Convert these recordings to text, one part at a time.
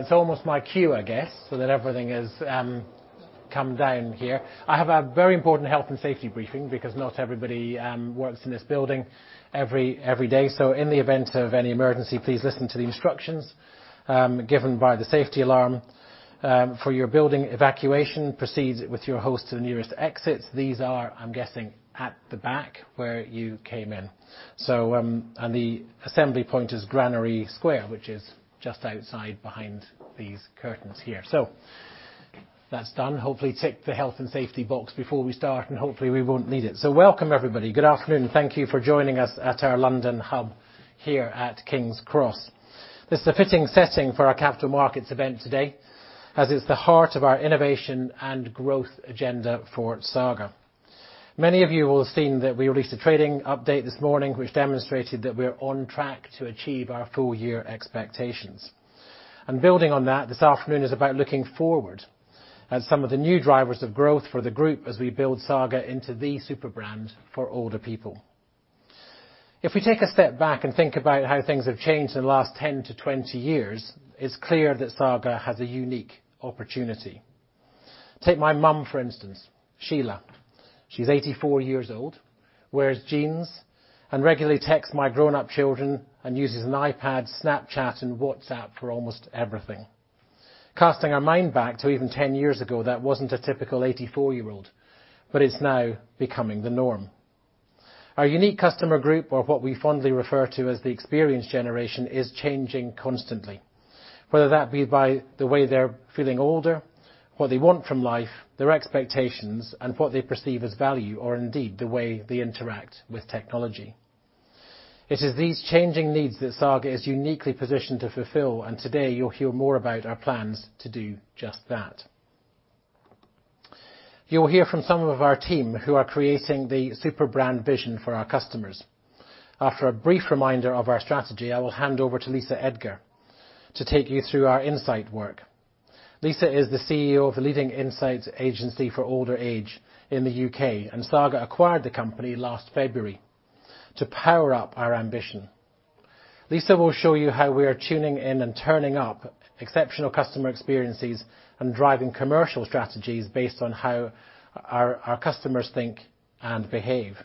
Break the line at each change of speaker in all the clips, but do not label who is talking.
That's almost my cue, I guess, so that everything is come down here. I have a very important health and safety briefing because not everybody works in this building every day. In the event of any emergency, please listen to the instructions given by the safety alarm. For your building evacuation, proceed with your host to the nearest exits. These are, I'm guessing, at the back where you came in. The assembly point is Granary Square, which is just outside behind these curtains here. That's done. Hopefully, tick the health and safety box before we start, and hopefully we won't need it. Welcome, everybody. Good afternoon. Thank you for joining us at our London hub here at King's Cross. This is a fitting setting for our capital markets event today, as it's the heart of our innovation and growth agenda for Saga. Many of you will have seen that we released a trading update this morning, which demonstrated that we're on track to achieve our full year expectations. Building on that, this afternoon is about looking forward at some of the new drivers of growth for the group as we build Saga into the superbrand for older people. We take a step back and think about how things have changed in the last 10-20 years, it's clear that Saga has a unique opportunity. Take my mom, for instance, Sheila. She's 84 years old, wears jeans and regularly texts my grown-up children and uses an iPad, Snapchat, and WhatsApp for almost everything. Casting our mind back to even 10 years ago, that wasn't a typical 84-year-old, but it's now becoming the norm. Our unique customer group or what we fondly refer to as the experienced generation, is changing constantly. Whether that be by the way they're feeling older, what they want from life, their expectations and what they perceive as value, or indeed the way they interact with technology. It is these changing needs that Saga is uniquely positioned to fulfill. Today you'll hear more about our plans to do just that. You will hear from some of our team who are creating the superbrand vision for our customers. After a brief reminder of our strategy, I will hand over to Lisa Edgar to take you through our insight work. Lisa is the CEO of the leading insights agency for older age in the U.K. Saga acquired the company last February to power up our ambition. Lisa will show you how we are tuning in and turning up exceptional customer experiences and driving commercial strategies based on how our customers think and behave.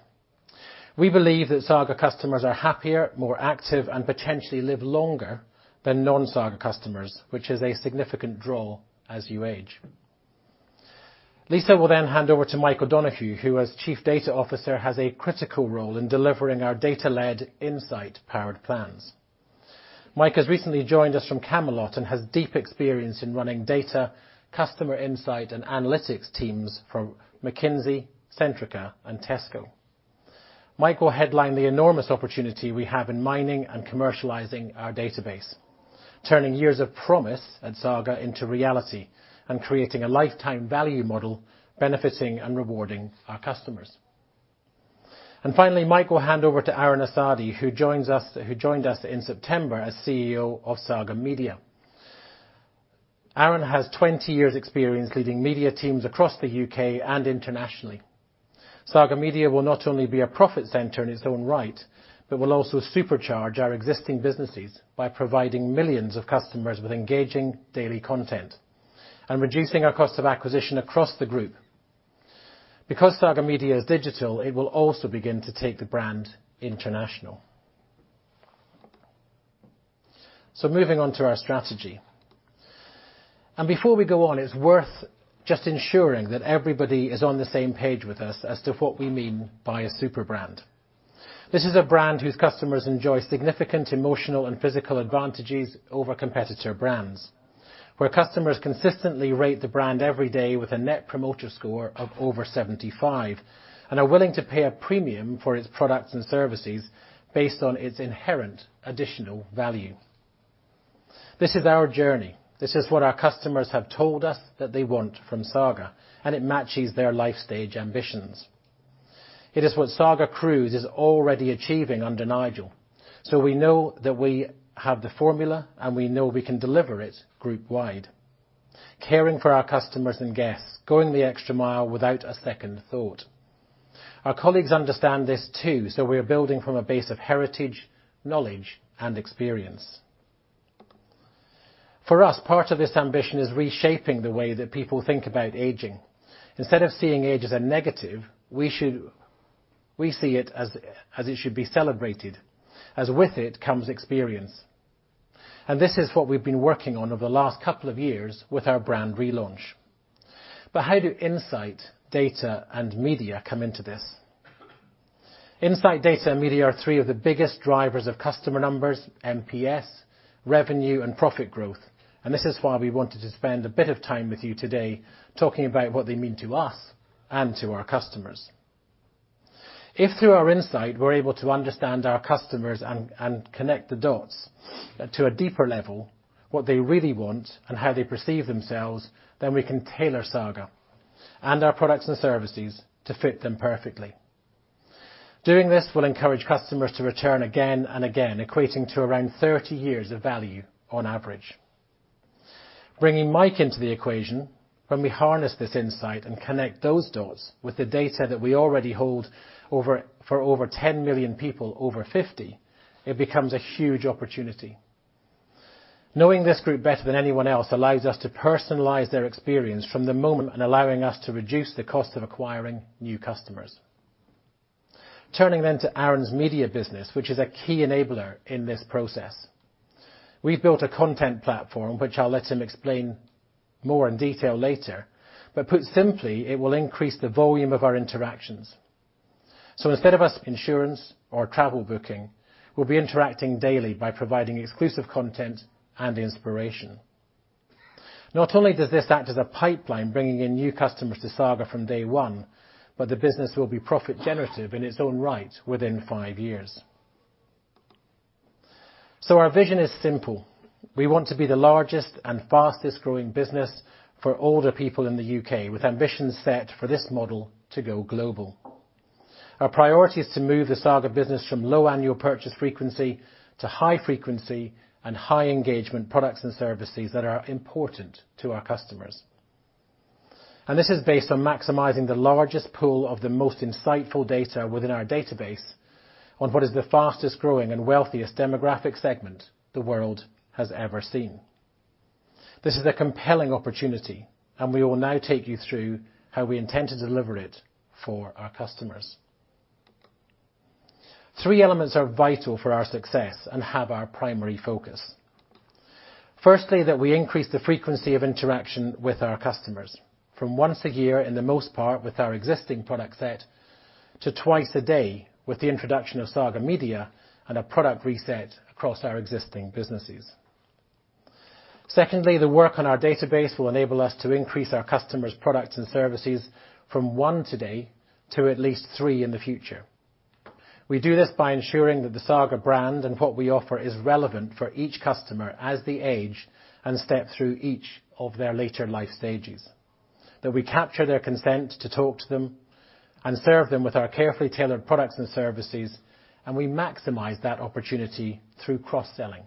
We believe that Saga customers are happier, more active, and potentially live longer than non-Saga customers, which is a significant draw as you age. Lisa will hand over to Mike O'Donohue, who as Chief Data Officer, has a critical role in delivering our data-led, insight-powered plans. Mike has recently joined us from Camelot and has deep experience in running data, customer insight, and analytics teams from McKinsey, Centrica, and Tesco. Mike will headline the enormous opportunity we have in mining and commercializing our database. Turning years of promise at Saga into reality and creating a lifetime value model benefiting and rewarding our customers. Finally, Mike will hand over to Aaron Asadi, who joined us in September as CEO of Saga Media. Aaron has 20 years experience leading media teams across the U.K. and internationally. Saga Media will not only be a profit center in its own right, but will also supercharge our existing businesses by providing millions of customers with engaging daily content and reducing our cost of acquisition across the group. Saga Media is digital, it will also begin to take the brand international. Moving on to our strategy. Before we go on, it's worth just ensuring that everybody is on the same page with us as to what we mean by a superbrand. This is a brand whose customers enjoy significant emotional and physical advantages over competitor brands. Where customers consistently rate the brand every day with a Net Promoter Score of over 75 and are willing to pay a premium for its products and services based on its inherent additional value. This is our journey. This is what our customers have told us that they want from Saga. It matches their life stage ambitions. It is what Saga Cruises is already achieving under Nigel. We know that we have the formula and we know we can deliver it group wide. Caring for our customers and guests, going the extra mile without a second thought. Our colleagues understand this too. We are building from a base of heritage, knowledge, and experience. For us, part of this ambition is reshaping the way that people think about aging. Instead of seeing age as a negative, we see it as it should be celebrated, as with it comes experience. This is what we've been working on over the last couple of years with our brand relaunch. How do insight, data, and media come into this? Insight, data, and media are 3 of the biggest drivers of customer numbers, MPS, revenue, and profit growth. This is why we wanted to spend a bit of time with you today talking about what they mean to us and to our customers. If through our insight, we're able to understand our customers and connect the dots to a deeper level, what they really want and how they perceive themselves, then we can tailor Saga and our products and services to fit them perfectly. Doing this will encourage customers to return again and again, equating to around 30 years of value on average. Bringing Mike into the equation, when we harness this insight and connect those dots with the data that we already hold over, for over 10 million people over 50, it becomes a huge opportunity. Knowing this group better than anyone else allows us to personalize their experience from the moment, and allowing us to reduce the cost of acquiring new customers. Turning to Aaron's media business, which is a key enabler in this process. We've built a content platform, which I'll let him explain more in detail later. Put simply, it will increase the volume of our interactions. Instead of insurance or travel booking, we'll be interacting daily by providing exclusive content and inspiration. Not only does this act as a pipeline bringing in new customers to Saga from day one, but the business will be profit generative in its own right within 5 years. Our vision is simple. We want to be the largest and fastest growing business for older people in the U.K., with ambitions set for this model to go global. Our priority is to move the Saga business from low annual purchase frequency to high frequency and high engagement products and services that are important to our customers. This is based on maximizing the largest pool of the most insightful data within our database on what is the fastest growing and wealthiest demographic segment the world has ever seen. This is a compelling opportunity, and we will now take you through how we intend to deliver it for our customers. Three elements are vital for our success and have our primary focus. Firstly, that we increase the frequency of interaction with our customers from once a year in the most part with our existing product set, to twice a day with the introduction of Saga Media and a product reset across our existing businesses. Secondly, the work on our database will enable us to increase our customers products and services from 1 today to at least 3 in the future. We do this by ensuring that the Saga brand and what we offer is relevant for each customer as they age and step through each of their later life stages. That we capture their consent to talk to them and serve them with our carefully tailored products and services, and we maximize that opportunity through cross-selling.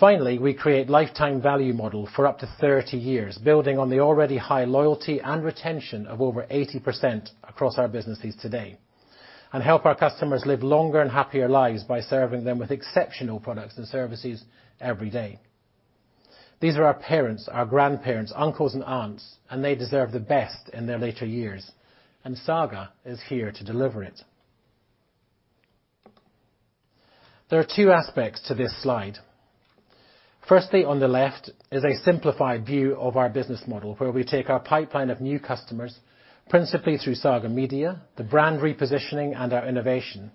Finally, we create lifetime value model for up to 30 years, building on the already high loyalty and retention of over 80% across our businesses today. Help our customers live longer and happier lives by serving them with exceptional products and services every day. These are our parents, our grandparents, uncles and aunts, and they deserve the best in their later years. Saga is here to deliver it. There are two aspects to this slide. Firstly, on the left is a simplified view of our business model, where we take our pipeline of new customers, principally through Saga Media, the brand repositioning and our innovation,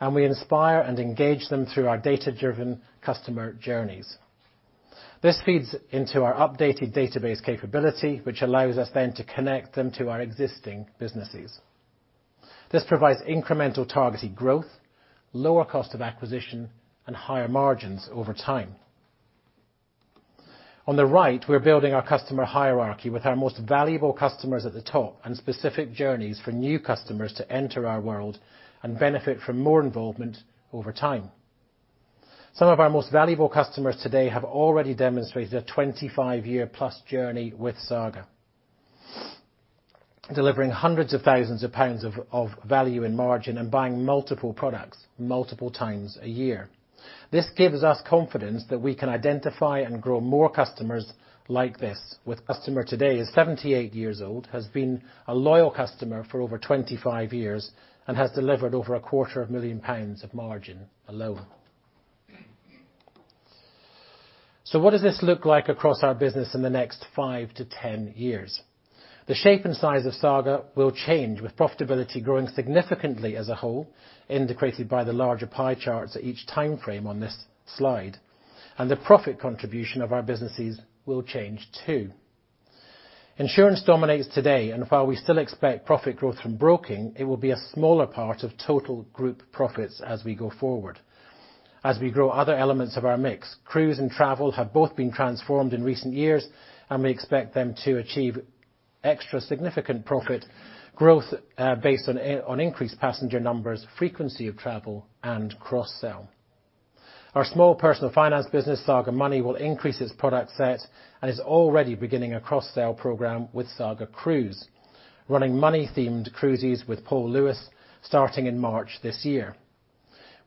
and we inspire and engage them through our data-driven customer journeys. This feeds into our updated database capability, which allows us then to connect them to our existing businesses. This provides incremental targeted growth, lower cost of acquisition, and higher margins over time. On the right, we're building our customer hierarchy with our most valuable customers at the top, and specific journeys for new customers to enter our world and benefit from more involvement over time. Some of our most valuable customers today have already demonstrated a 25-year plus journey with Saga. Delivering hundreds of thousands of GBP of value in margin and buying multiple products multiple times a year. This gives us confidence that we can identify and grow more customers like this, with customer today is 78 years old, has been a loyal customer for over 25 years, and has delivered over a quarter of a million GBP of margin alone. What does this look like across our business in the next 5 to 10 years? The shape and size of Saga will change, with profitability growing significantly as a whole, indicated by the larger pie charts at each time frame on this slide. The profit contribution of our businesses will change too. Insurance dominates today, and while we still expect profit growth from broking, it will be a smaller part of total group profits as we go forward. As we grow other elements of our mix, cruise and travel have both been transformed in recent years, and we expect them to achieve extra significant profit growth, based on increased passenger numbers, frequency of travel and cross-sell. Our small personal finance business, Saga Money, will increase its product set and is already beginning a cross-sell program with Saga Cruise, running money-themed cruises with Paul Lewis starting in March this year.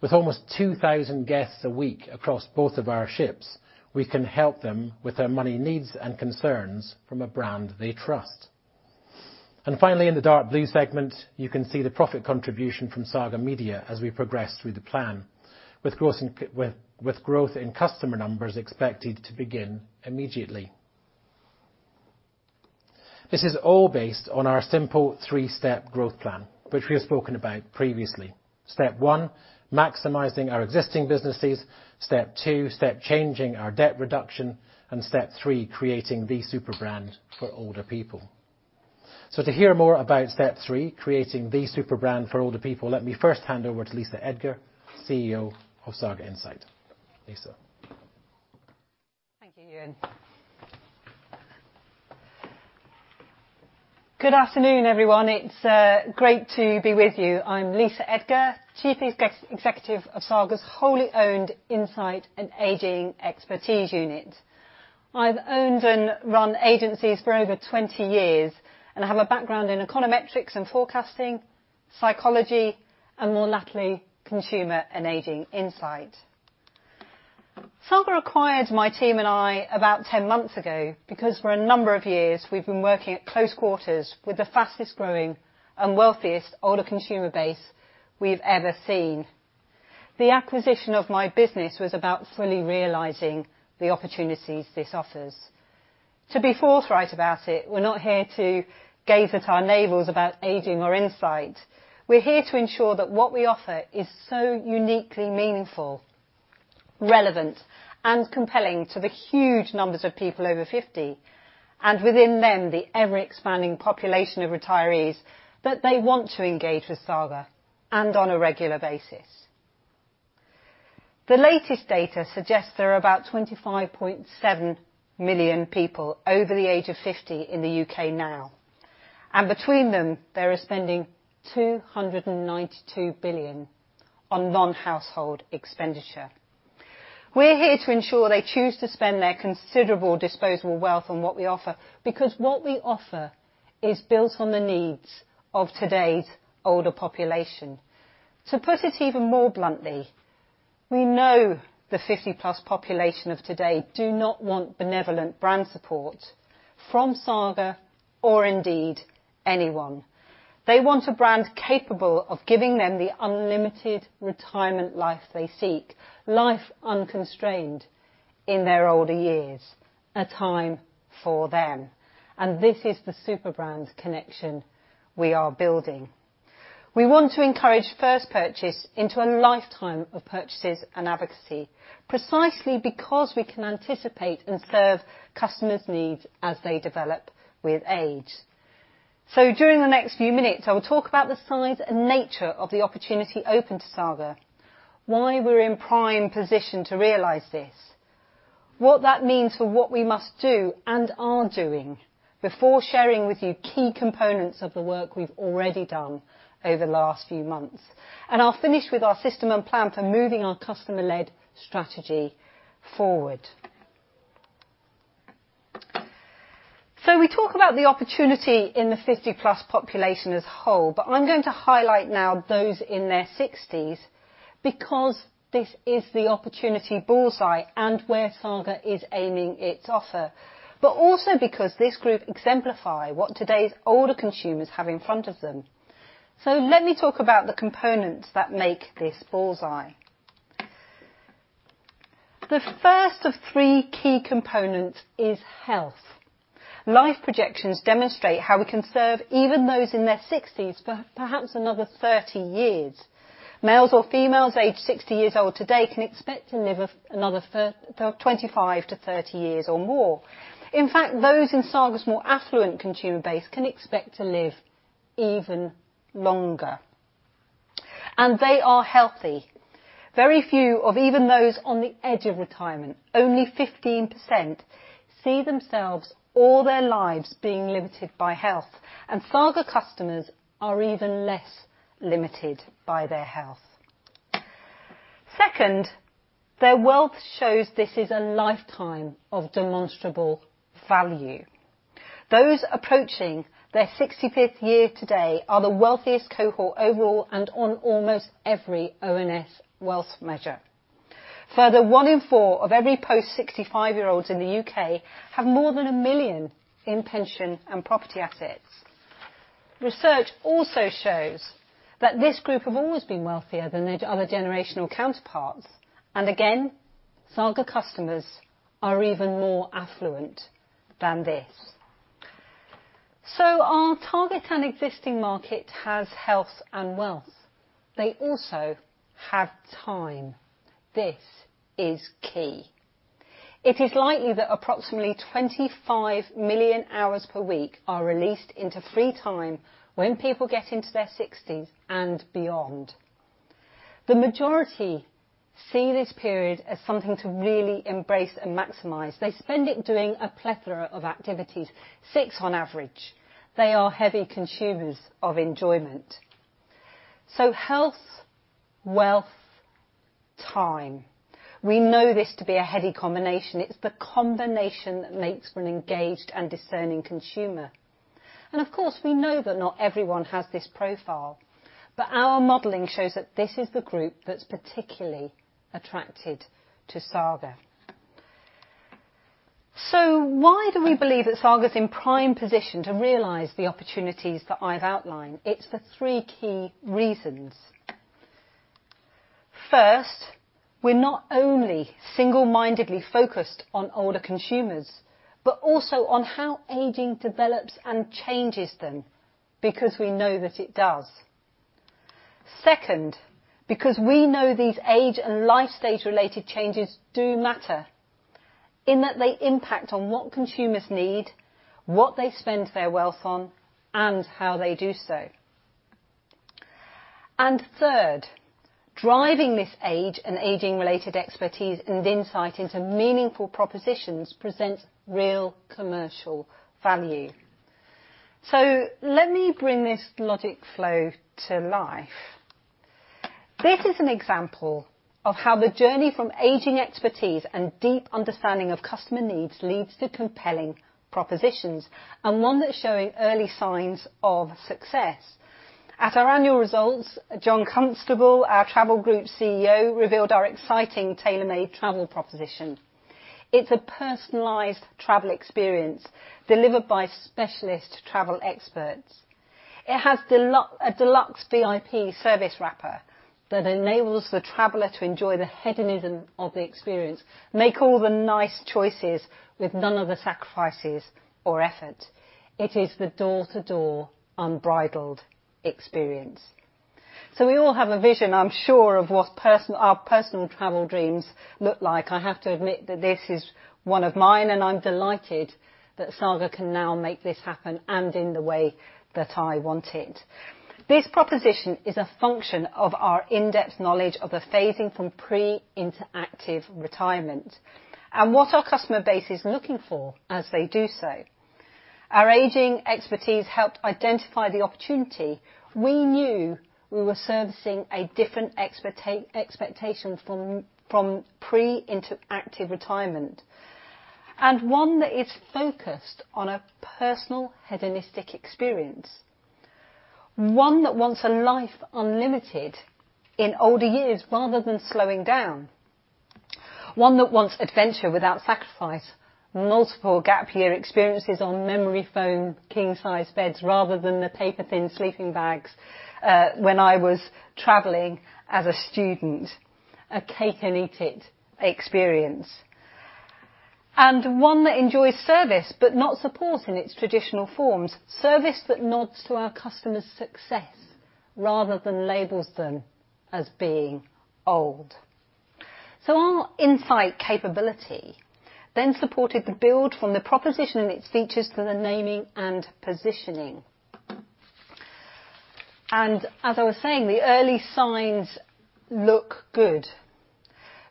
With almost 2,000 guests a week across both of our ships, we can help them with their money needs and concerns from a brand they trust. Finally, in the dark blue segment, you can see the profit contribution from Saga Media as we progress through the plan. With growth in customer numbers expected to begin immediately. This is all based on our simple 3-step growth plan, which we have spoken about previously. Step 1, maximizing our existing businesses. Step 2, step changing our debt reduction. Step 3, creating the super brand for older people. To hear more about Step 3, creating the super brand for older people, let me first hand over to Lisa Edgar, CEO of Saga Insight. Lisa.
Thank you, Ewan. Good afternoon, everyone. It's great to be with you. I'm Lisa Edgar, Chief Executive of Saga's wholly owned insight and aging expertise unit. I've owned and run agencies for over 20 years, and I have a background in econometrics and forecasting, psychology, and more lately, consumer and aging insight. Saga acquired my team and I about 10 months ago because for a number of years we've been working at close quarters with the fastest-growing and wealthiest older consumer base we've ever seen. The acquisition of my business was about fully realizing the opportunities this offers. To be forthright about it, we're not here to gaze at our navels about aging or insight. We're here to ensure that what we offer is so uniquely meaningful, relevant, and compelling to the huge numbers of people over 50, and within them, the ever-expanding population of retirees that they want to engage with Saga, and on a regular basis. The latest data suggests there are about 25.7 million people over the age of 50 in the U.K. now, and between them, they are spending 292 billion on non-household expenditure. We're here to ensure they choose to spend their considerable disposable wealth on what we offer, because what we offer is built on the needs of today's older population. To put it even more bluntly, we know the fifty-plus population of today do not want benevolent brand support from Saga or indeed anyone. They want a brand capable of giving them the unlimited retirement life they seek, life unconstrained in their older years, a time for them. This is the super brand connection we are building. We want to encourage first purchase into a lifetime of purchases and advocacy, precisely because we can anticipate and serve customers' needs as they develop with age. During the next few minutes, I will talk about the size and nature of the opportunity open to Saga, why we're in prime position to realize this, what that means for what we must do and are doing before sharing with you key components of the work we've already done over the last few months. I'll finish with our system and plan for moving our customer-led strategy forward. We talk about the opportunity in the 50-plus population as whole, but I'm going to highlight now those in their 60s because this is the opportunity bullseye and where Saga is aiming its offer. Also because this group exemplify what today's older consumers have in front of them. Let me talk about the components that make this bullseye. The first of 3 key components is health. Life projections demonstrate how we can serve even those in their 60s perhaps another 30 years. Males or females aged 60 years old today can expect to live another 25-30 years or more. In fact, those in Saga's more affluent consumer base can expect to live even longer. They are healthy. Very few of even those on the edge of retirement, only 15%, see themselves or their lives being limited by health. Saga customers are even less limited by their health. Second, their wealth shows this is a lifetime of demonstrable value. Those approaching their 65th year today are the wealthiest cohort overall and on almost every ONS wealth measure. 1 in 4 of every post-65-year-olds in the U.K. have more than 1 million in pension and property assets. Research also shows that this group have always been wealthier than their other generational counterparts. Again, Saga customers are even more affluent than this. Our target and existing market has health and wealth. They also have time. This is key. It is likely that approximately 25 million hours per week are released into free time when people get into their sixties and beyond. The majority see this period as something to really embrace and maximize. They spend it doing a plethora of activities, six on average. They are heavy consumers of enjoyment. Health, wealth, time. We know this to be a heady combination. It's the combination that makes for an engaged and discerning consumer. Of course, we know that not everyone has this profile, but our modeling shows that this is the group that's particularly attracted to Saga. Why do we believe that Saga's in prime position to realize the opportunities that I've outlined? It's for three key reasons. First, we're not only single-mindedly focused on older consumers, but also on how aging develops and changes them, because we know that it does. Second, because we know these age and life stage-related changes do matter in that they impact on what consumers need, what they spend their wealth on, and how they do so. Third, driving this age and aging-related expertise and insight into meaningful propositions presents real commercial value. Let me bring this logic flow to life. This is an example of how the journey from aging expertise and deep understanding of customer needs leads to compelling propositions, and one that's showing early signs of success. At our annual results, John Constable, our Travel Group CEO, revealed our exciting Tailor-Made Travel proposition. It's a personalized travel experience delivered by specialist travel experts. It has a deluxe VIP service wrapper that enables the traveler to enjoy the hedonism of the experience, make all the nice choices with none of the sacrifices or effort. It is the door-to-door unbridled experience. We all have a vision, I'm sure, of what our personal travel dreams look like. I have to admit that this is one of mine, and I'm delighted that Saga can now make this happen and in the way that I want it. This proposition is a function of our in-depth knowledge of the phasing from pre into active retirement, and what our customer base is looking for as they do so. Our aging expertise helped identify the opportunity. We knew we were servicing a different expectation from pre into active retirement, and one that is focused on a personal hedonistic experience. One that wants a life unlimited in older years rather than slowing down, one that wants adventure without sacrifice, multiple gap year experiences on memory foam king-size beds rather than the paper-thin sleeping bags when I was traveling as a student, a take-and-eat-it experience. One that enjoys service but not support in its traditional forms. Service that nods to our customers' success rather than labels them as being old. Our insight capability then supported the build from the proposition and its features for the naming and positioning. As I was saying, the early signs look good.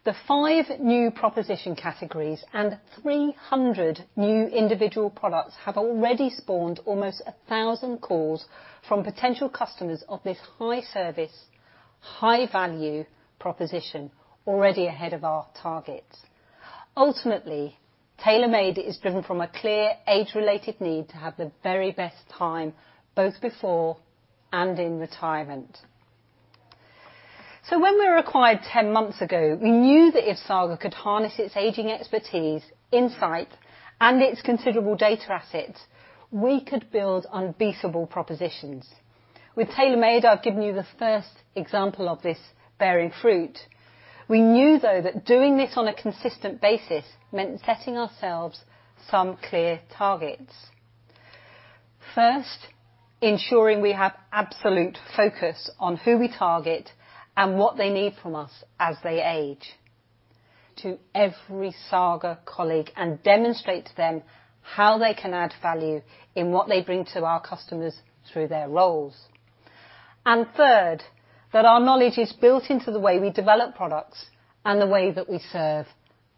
The 5 new proposition categories and 300 new individual products have already spawned almost 1,000 calls from potential customers of this high-service, high-value proposition already ahead of our targets. Ultimately, Tailor-Made is driven from a clear age-related need to have the very best time, both before and in retirement. When we were acquired 10 months ago, we knew that if Saga could harness its aging expertise, insight, and its considerable data assets, we could build unbeatable propositions. With Tailor-Made, I've given you the first example of this bearing fruit. We knew, though, that doing this on a consistent basis meant setting ourselves some clear targets. First, ensuring we have absolute focus on who we target and what they need from us as they age to every Saga colleague and demonstrate to them how they can add value in what they bring to our customers through their roles. Third, that our knowledge is built into the way we develop products and the way that we serve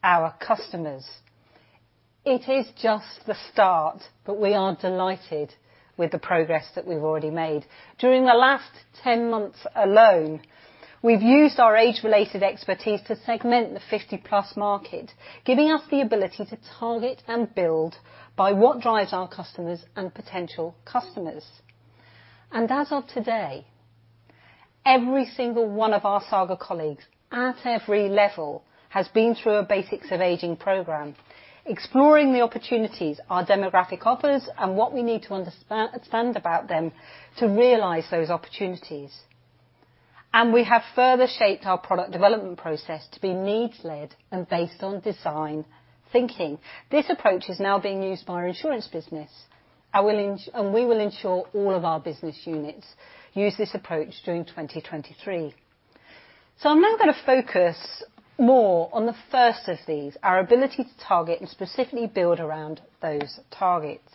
our customers. It is just the start. We are delighted with the progress that we've already made. During the last 10 months alone, we've used our age-related expertise to segment the 50-plus market, giving us the ability to target and build by what drives our customers and potential customers. As of today, every single one of our Saga colleagues at every level has been through a Basics of Aging program, exploring the opportunities our demographic offers and what we need to understand about them to realize those opportunities. We have further shaped our product development process to be needs-led and based on design thinking. This approach is now being used by our insurance business. We will ensure all of our business units use this approach during 2023. I'm now gonna focus more on the first of these, our ability to target and specifically build around those targets.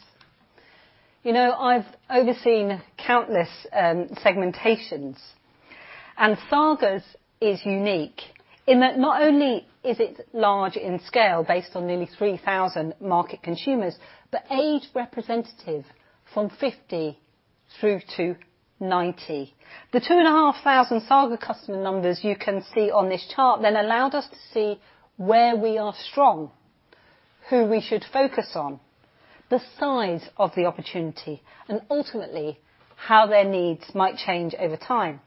You know, I've overseen countless segmentations, and Saga's is unique in that not only is it large in scale, based on nearly 3,000 market consumers, but age representative from 50 through to 90. The 2,500 Saga customer numbers you can see on this chart allowed us to see where we are strong, who we should focus on, the size of the opportunity, and ultimately, how their needs might change over time.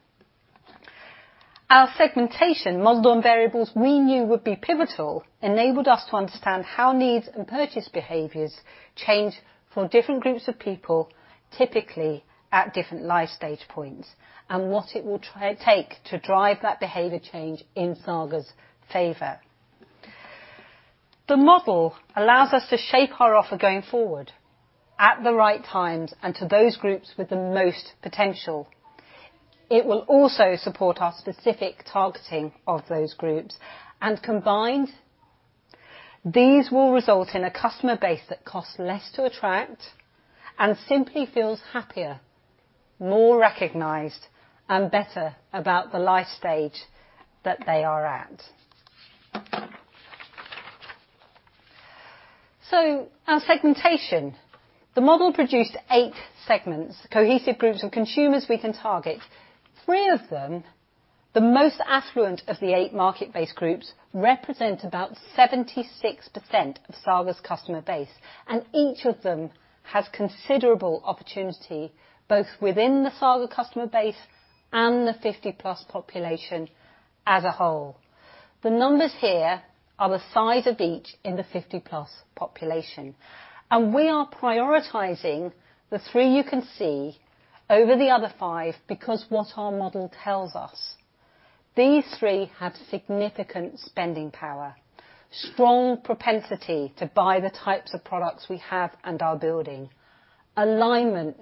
Our segmentation, modeled on variables we knew would be pivotal, enabled us to understand how needs and purchase behaviors change for different groups of people, typically at different life stage points, and what it will take to drive that behavior change in Saga's favor. The model allows us to shape our offer going forward at the right times and to those groups with the most potential. It will also support our specific targeting of those groups. These will result in a customer base that costs less to attract and simply feels happier, more recognized, and better about the life stage that they are at. Our segmentation. The model produced 8 segments, cohesive groups of consumers we can target. 3 of them, the most affluent of the 8 market-based groups, represent about 76% of Saga's customer base, and each of them has considerable opportunity, both within the Saga customer base and the 50-plus population as a whole. The numbers here are the size of each in the 50-plus population, and we are prioritizing the 3 you can see over the other 5 because what our model tells us. These 3 have significant spending power, strong propensity to buy the types of products we have and are building, alignment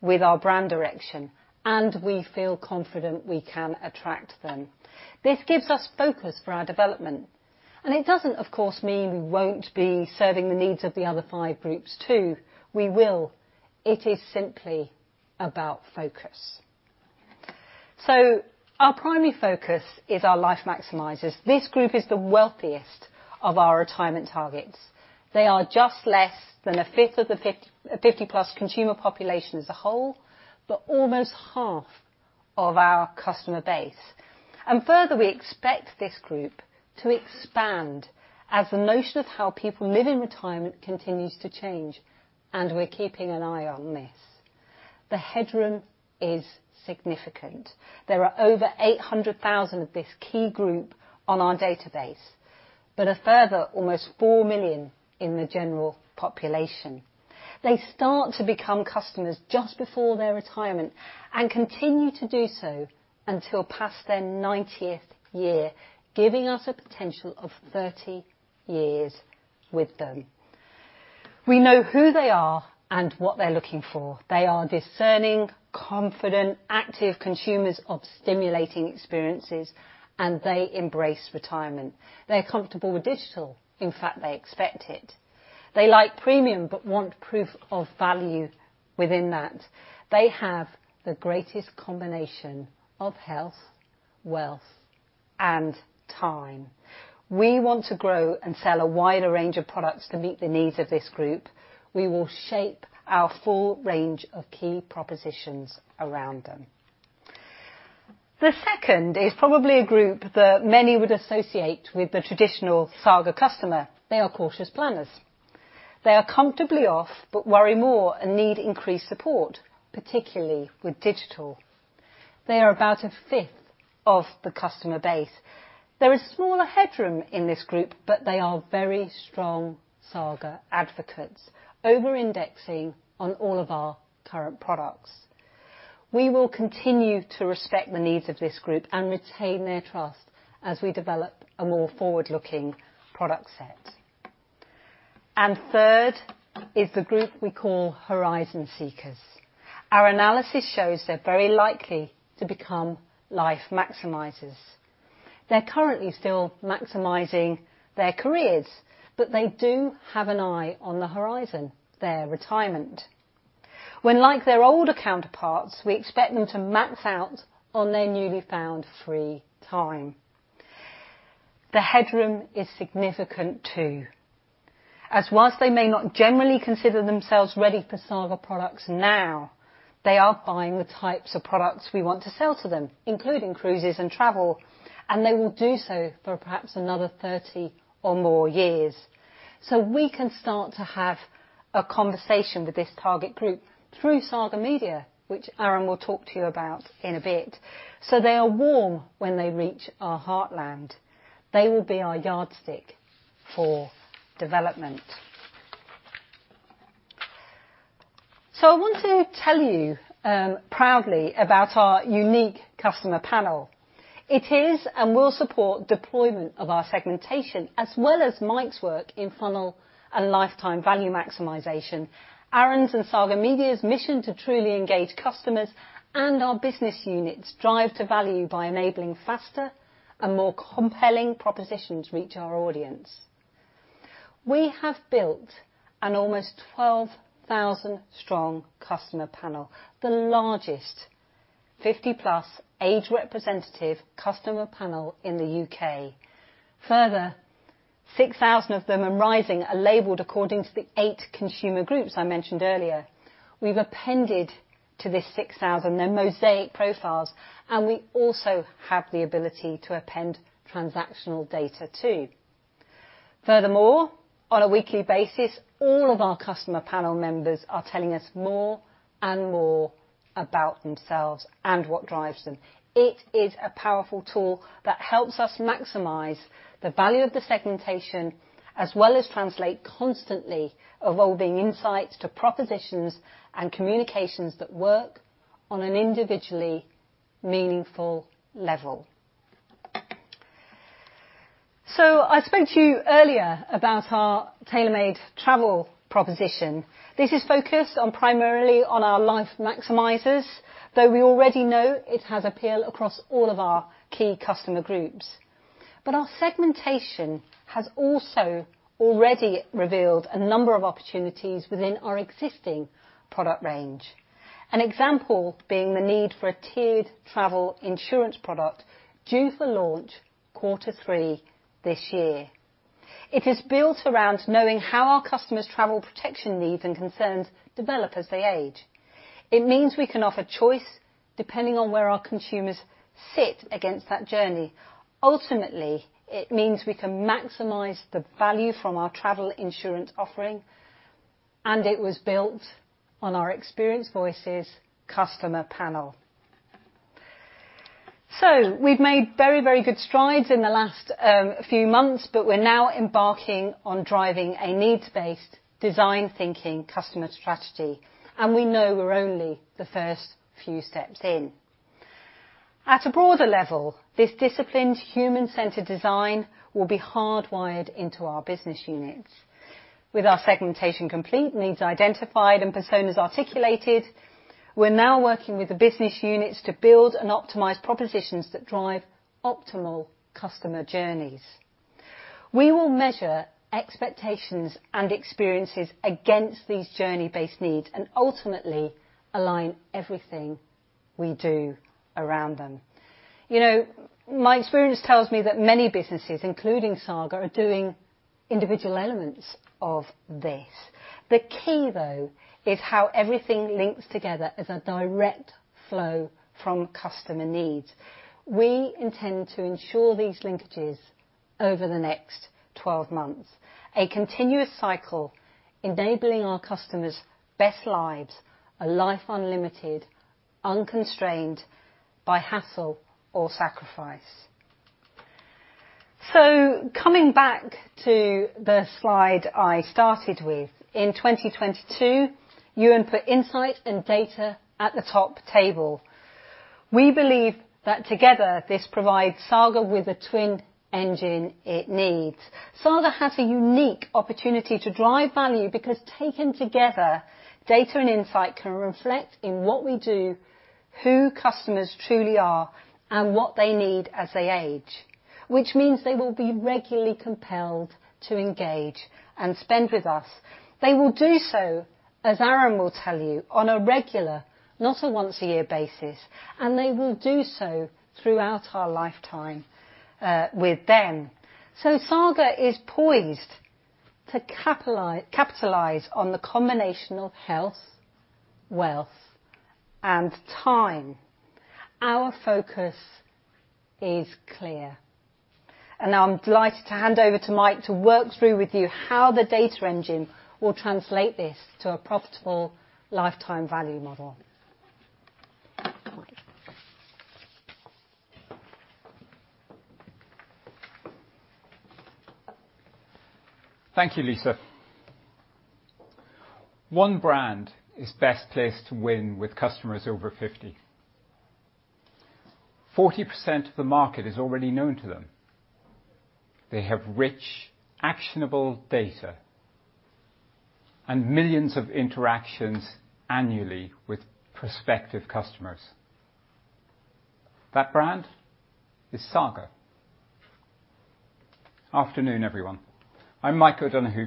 with our brand direction, and we feel confident we can attract them. This gives us focus for our development, and it doesn't, of course, mean we won't be serving the needs of the other 5 groups too. We will. It is simply about focus. Our primary focus is our Life Maximisers. This group is the wealthiest of our retirement targets. They are just less than a fifth of the 50-plus consumer population as a whole, but almost half of our customer base. Further, we expect this group to expand as the notion of how people live in retirement continues to change, and we're keeping an eye on this. The headroom is significant. There are over 800,000 of this key group on our database, but a further almost 4 million in the general population. They start to become customers just before their retirement and continue to do so until past their 90th year, giving us a potential of 30 years with them. We know who they are and what they're looking for. They are discerning, confident, active consumers of stimulating experiences, and they embrace retirement. They're comfortable with digital. In fact, they expect it. They like premium, but want proof of value within that. They have the greatest combination of health, wealth, and time. We want to grow and sell a wider range of products to meet the needs of this group. We will shape our full range of key propositions around them. The second is probably a group that many would associate with the traditional Saga customer. They are Cautious Planners. They are comfortably off, but worry more and need increased support, particularly with digital. They are about a fifth of the customer base. There is smaller headroom in this group, but they are very strong Saga advocates, over-indexing on all of our current products. We will continue to respect the needs of this group and retain their trust as we develop a more forward-looking product set. Third is the group we call Horizon Seekers. Our analysis shows they're very likely to become Life Maximisers. They're currently still maximizing their careers. They do have an eye on the horizon, their retirement. When like their older counterparts, we expect them to max out on their newly found free time. The headroom is significant too, as whilst they may not generally consider themselves ready for Saga products now, they are buying the types of products we want to sell to them, including cruises and travel, and they will do so for perhaps another 30 or more years. We can start to have a conversation with this target group through Saga Media, which Aaron will talk to you about in a bit. They are warm when they reach our heartland. They will be our yardstick for development. I want to tell you proudly about our unique customer panel. It is and will support deployment of our segmentation as well as Mike's work in funnel and lifetime value maximization. Aaron's and Saga Media's mission to truly engage customers and our business units drive to value by enabling faster and more compelling propositions reach our audience. We have built an almost 12,000-strong customer panel, the largest 50-plus age-representative customer panel in the U.K. Further, 6,000 of them and rising are labeled according to the eight consumer groups I mentioned earlier. We've appended to this 6,000 their Mosaic profiles, and we also have the ability to append transactional data too. Furthermore, on a weekly basis, all of our customer panel members are telling us more and more about themselves and what drives them. It is a powerful tool that helps us maximize the value of the segmentation as well as translate constantly evolving insights to propositions and communications that work on an individually meaningful level. I spoke to you earlier about our Tailor-Made Travel proposition. This is focused on primarily on our Life Maximisers, though we already know it has appeal across all of our key customer groups. Our segmentation has also already revealed a number of opportunities within our existing product range. An example being the need for a tiered travel insurance product due for launch quarter three this year. It is built around knowing how our customers' travel protection needs and concerns develop as they age. It means we can offer choice depending on where our consumers sit against that journey. Ultimately, it means we can maximize the value from our travel insurance offering. It was built on our Experience Voices customer panel. We've made very, very good strides in the last few months. We're now embarking on driving a needs-based design thinking customer strategy. We know we're only the first few steps in. At a broader level, this disciplined human-centered design will be hardwired into our business units. With our segmentation complete, needs identified, and personas articulated, we're now working with the business units to build and optimize propositions that drive optimal customer journeys. We will measure expectations and experiences against these journey-based needs and ultimately align everything we do around them. You know, my experience tells me that many businesses, including Saga, are doing individual elements of this. The key, though, is how everything links together as a direct flow from customer needs. We intend to ensure these linkages over the next 12 months. A continuous cycle enabling our customers' best lives, a life unlimited, unconstrained by hassle or sacrifice. Coming back to the slide I started with. In 2022, Ewan put insight and data at the top table. We believe that together this provides Saga with a twin engine it needs. Saga has a unique opportunity to drive value because, taken together, data and insight can reflect in what we do, who customers truly are, and what they need as they age, which means they will be regularly compelled to engage and spend with us. They will do so, as Aaron will tell you, on a regular, not a once-a-year basis, and they will do so throughout our lifetime with them. Saga is poised to capitalize on the combination of health, wealth, and time. Our focus is clear. Now I'm delighted to hand over to Mike to work through with you how the data engine will translate this to a profitable lifetime value model.
Thank you, Lisa. One brand is best placed to win with customers over 50. 40% of the market is already known to them. They have rich, actionable data and millions of interactions annually with prospective customers. That brand is Saga. Afternoon, everyone. I'm Michael O'Donohue,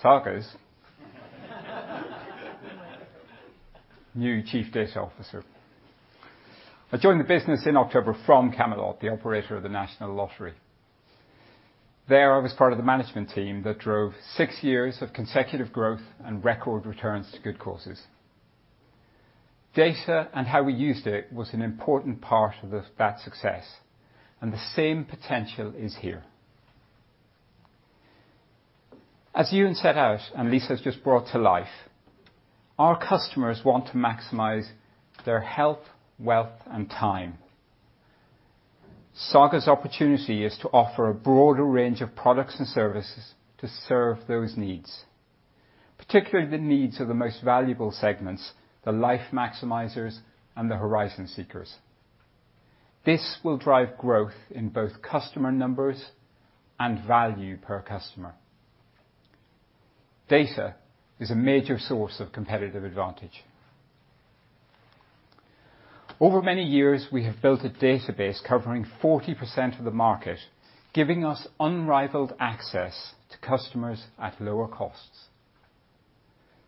Saga's new Chief Data Officer. I joined the business in October from Camelot, the operator of The National Lottery. There, I was part of the management team that drove 6 years of consecutive growth and record returns to good causes. Data and how we used it was an important part of that success and the same potential is here. As Ewan set out and Lisa has just brought to life, our customers want to maximize their health, wealth, and time. Saga's opportunity is to offer a broader range of products and services to serve those needs, particularly the needs of the most valuable segments, the Life Maximisers and the Horizon Seekers. This will drive growth in both customer numbers and value per customer. Data is a major source of competitive advantage. Over many years, we have built a database covering 40% of the market, giving us unrivaled access to customers at lower costs.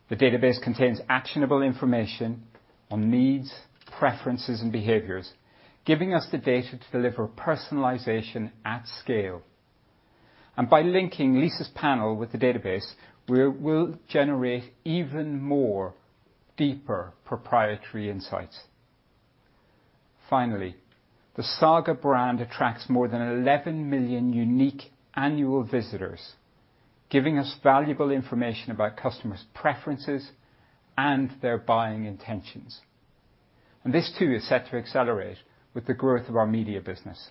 The database contains actionable information on needs, preferences, and behaviors, giving us the data to deliver personalization at scale. By linking Lisa's panel with the database, we'll generate even more deeper proprietary insights. Finally, the Saga brand attracts more than 11 million unique annual visitors, giving us valuable information about customers' preferences and their buying intentions. This too is set to accelerate with the growth of our Media Business.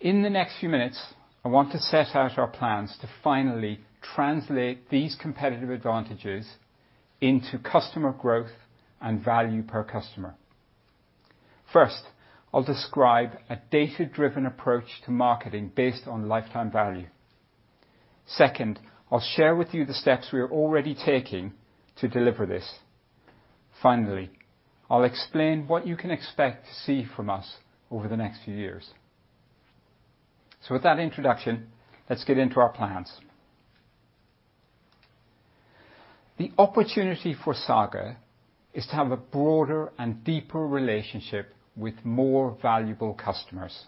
In the next few minutes, I want to set out our plans to finally translate these competitive advantages into customer growth and value per customer. First, I'll describe a data-driven approach to marketing based on lifetime value. Second, I'll share with you the steps we are already taking to deliver this. Finally, I'll explain what you can expect to see from us over the next few years. With that introduction, let's get into our plans. The opportunity for Saga is to have a broader and deeper relationship with more valuable customers.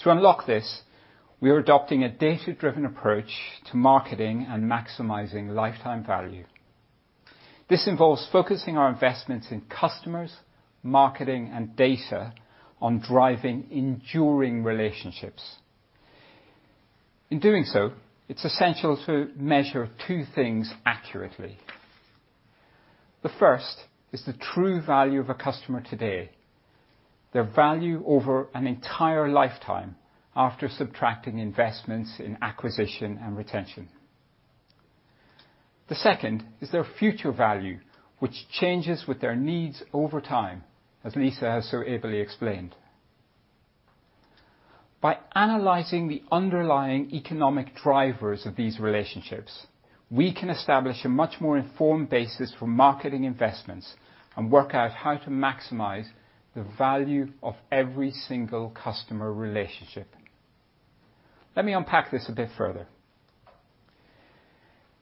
To unlock this, we are adopting a data-driven approach to marketing and maximizing lifetime value. This involves focusing our investments in customers, marketing, and data on driving enduring relationships. In doing so, it's essential to measure two things accurately. The first is the true value of a customer today, their value over an entire lifetime after subtracting investments in acquisition and retention. The second is their future value, which changes with their needs over time, as Lisa has so ably explained. By analyzing the underlying economic drivers of these relationships, we can establish a much more informed basis for marketing investments and work out how to maximize the value of every single customer relationship. Let me unpack this a bit further.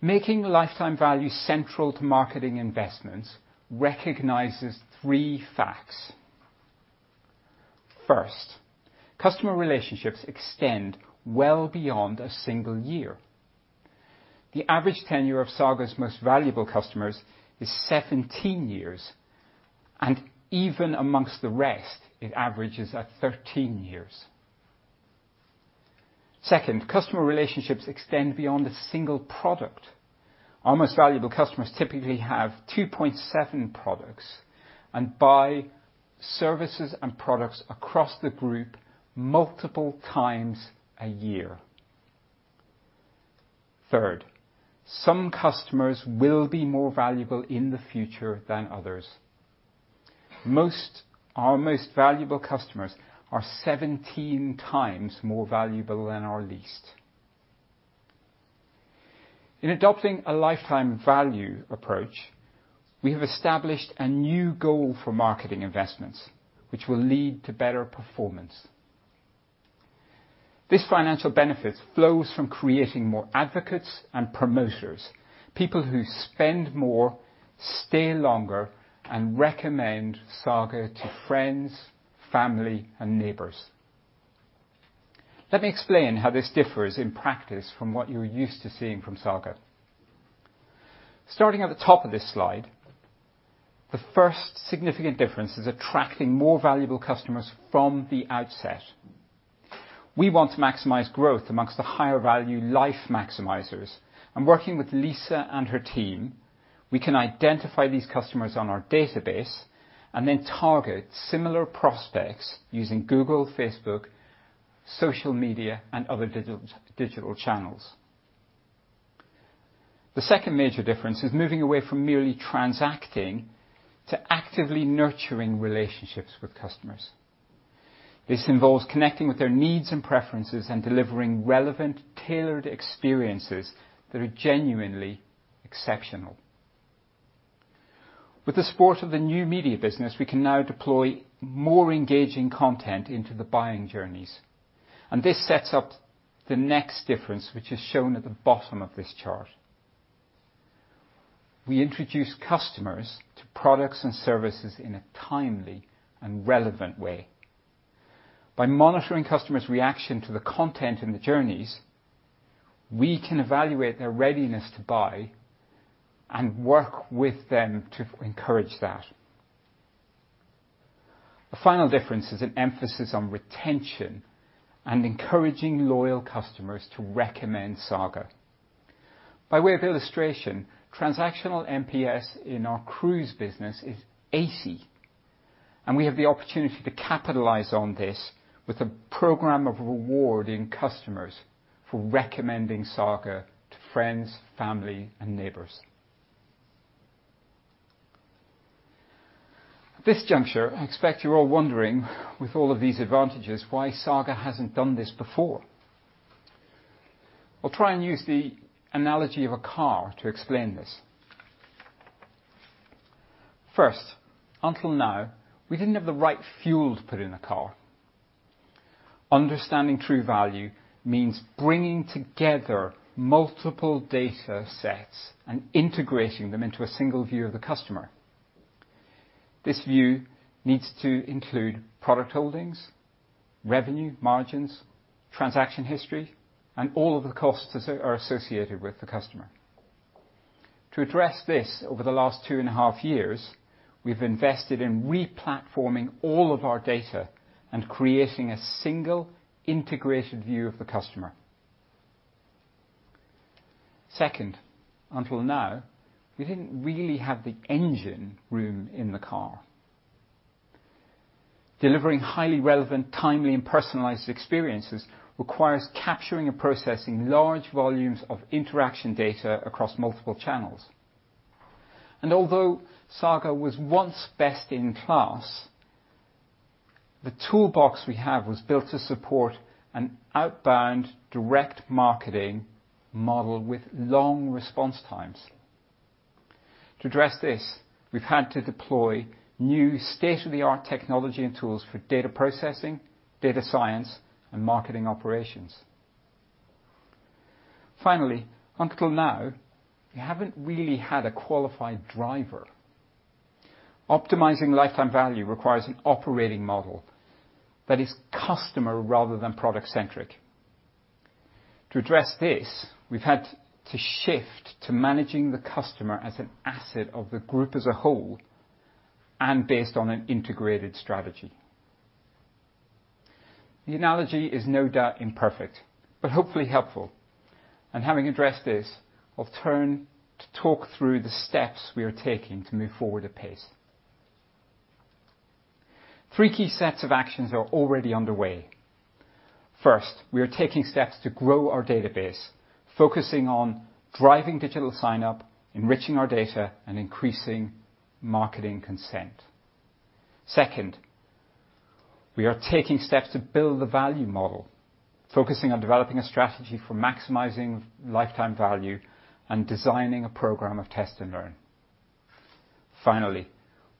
Making lifetime value central to marketing investments recognizes three facts. First, customer relationships extend well beyond a single year. The average tenure of Saga's most valuable customers is 17 years, and even amongst the rest, it averages at 13 years. Second, customer relationships extend beyond a single product. Our most valuable customers typically have 2.7 products and buy services and products across the group multiple times a year. Third, some customers will be more valuable in the future than others. Our most valuable customers are 17 times more valuable than our least. In adopting a lifetime value approach, we have established a new goal for marketing investments which will lead to better performance. This financial benefit flows from creating more advocates and promoters, people who spend more, stay longer, and recommend Saga to friends, family, and neighbors. Let me explain how this differs in practice from what you're used to seeing from Saga. Starting at the top of this slide, the first significant difference is attracting more valuable customers from the outset. We want to maximize growth amongst the higher value Life Maximisers and working with Lisa and her team, we can identify these customers on our database and then target similar prospects using Google, Facebook, social media, and other digital channels. The second major difference is moving away from merely transacting to actively nurturing relationships with customers. This involves connecting with their needs and preferences and delivering relevant, tailored experiences that are genuinely exceptional. With the support of the new media business, we can now deploy more engaging content into the buying journeys. This sets up the next difference, which is shown at the bottom of this chart. We introduce customers to products and services in a timely and relevant way. By monitoring customers' reaction to the content and the journeys, we can evaluate their readiness to buy and work with them to encourage that. The final difference is an emphasis on retention and encouraging loyal customers to recommend Saga. By way of illustration, transactional NPS in our cruise business is 80, and we have the opportunity to capitalize on this with a program of rewarding customers for recommending Saga to friends, family, and neighbors. At this juncture, I expect you're all wondering with all of these advantages why Saga hasn't done this before. I'll try and use the analogy of a car to explain this. First, until now, we didn't have the right fuel to put in the car. Understanding true value means bringing together multiple data sets and integrating them into a single view of the customer. This view needs to include product holdings, revenue margins, transaction history, and all of the costs are associated with the customer. To address this, over the last two and a half years, we've invested in re-platforming all of our data and creating a single integrated view of the customer. Second, until now, we didn't really have the engine room in the car. Delivering highly relevant, timely, and personalized experiences requires capturing and processing large volumes of interaction data across multiple channels. Although Saga was once best in class. The toolbox we have was built to support an outbound direct marketing model with long response times. To address this, we've had to deploy new state-of-the-art technology and tools for data processing, data science, and marketing operations. Finally, until now, we haven't really had a qualified driver. Optimizing lifetime value requires an operating model that is customer rather than product-centric. To address this, we've had to shift to managing the customer as an asset of the group as a whole, based on an integrated strategy. The analogy is no doubt imperfect, but hopefully helpful. Having addressed this, I'll turn to talk through the steps we are taking to move forward at pace. Three key sets of actions are already underway. First, we are taking steps to grow our database, focusing on driving digital sign-up, enriching our data, and increasing marketing consent. Second, we are taking steps to build the value model, focusing on developing a strategy for maximizing lifetime value and designing a program of test and learn. Finally,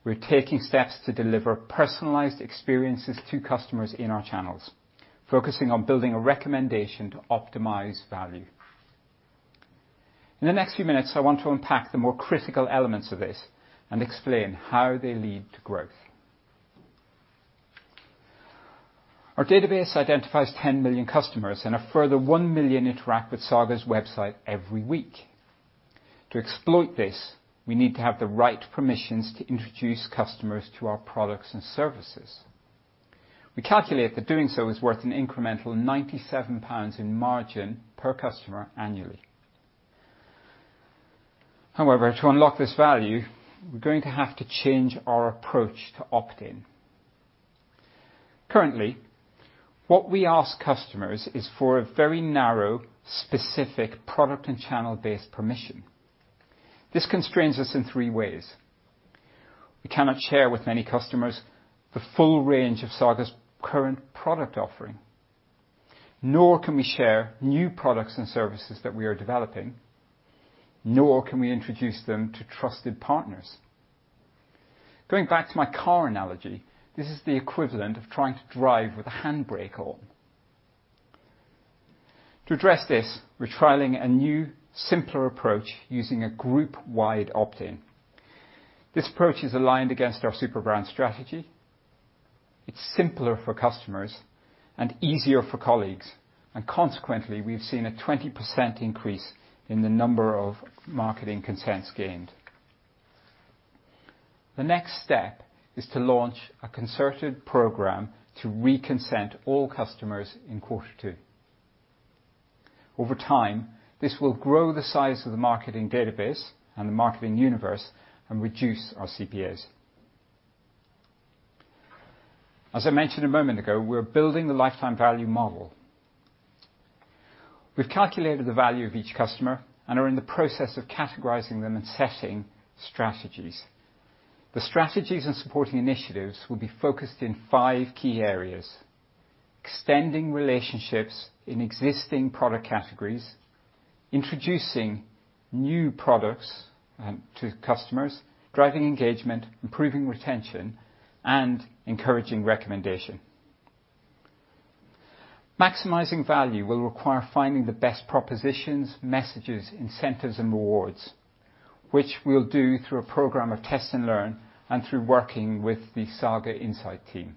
we're taking steps to deliver personalized experiences to customers in our channels, focusing on building a recommendation to optimize value. In the next few minutes, I want to unpack the more critical elements of this and explain how they lead to growth. Our database identifies 10 million customers, a further 1 million interact with Saga's website every week. To exploit this, we need to have the right permissions to introduce customers to our products and services. We calculate that doing so is worth an incremental 97 pounds in margin per customer annually. However, to unlock this value, we're going to have to change our approach to opt-in. Currently, what we ask customers is for a very narrow, specific product and channel-based permission. This constrains us in three ways. We cannot share with many customers the full range of Saga's current product offering, nor can we share new products and services that we are developing, nor can we introduce them to trusted partners. Going back to my car analogy, this is the equivalent of trying to drive with a handbrake on. To address this, we're trialing a new simpler approach using a group-wide opt-in. This approach is aligned against our super brand strategy. It's simpler for customers and easier for colleagues, consequently, we've seen a 20% increase in the number of marketing consents gained. The next step is to launch a concerted program to re-consent all customers in quarter two. Over time, this will grow the size of the marketing database and the marketing universe and reduce our CPAs. As I mentioned a moment ago, we're building the lifetime value model. We've calculated the value of each customer and are in the process of categorizing them and setting strategies. The strategies and supporting initiatives will be focused in 5 key areas: extending relationships in existing product categories, introducing new products to customers, driving engagement, improving retention, and encouraging recommendation. Maximizing value will require finding the best propositions, messages, incentives, and rewards, which we'll do through a program of test and learn and through working with the Saga Insight team.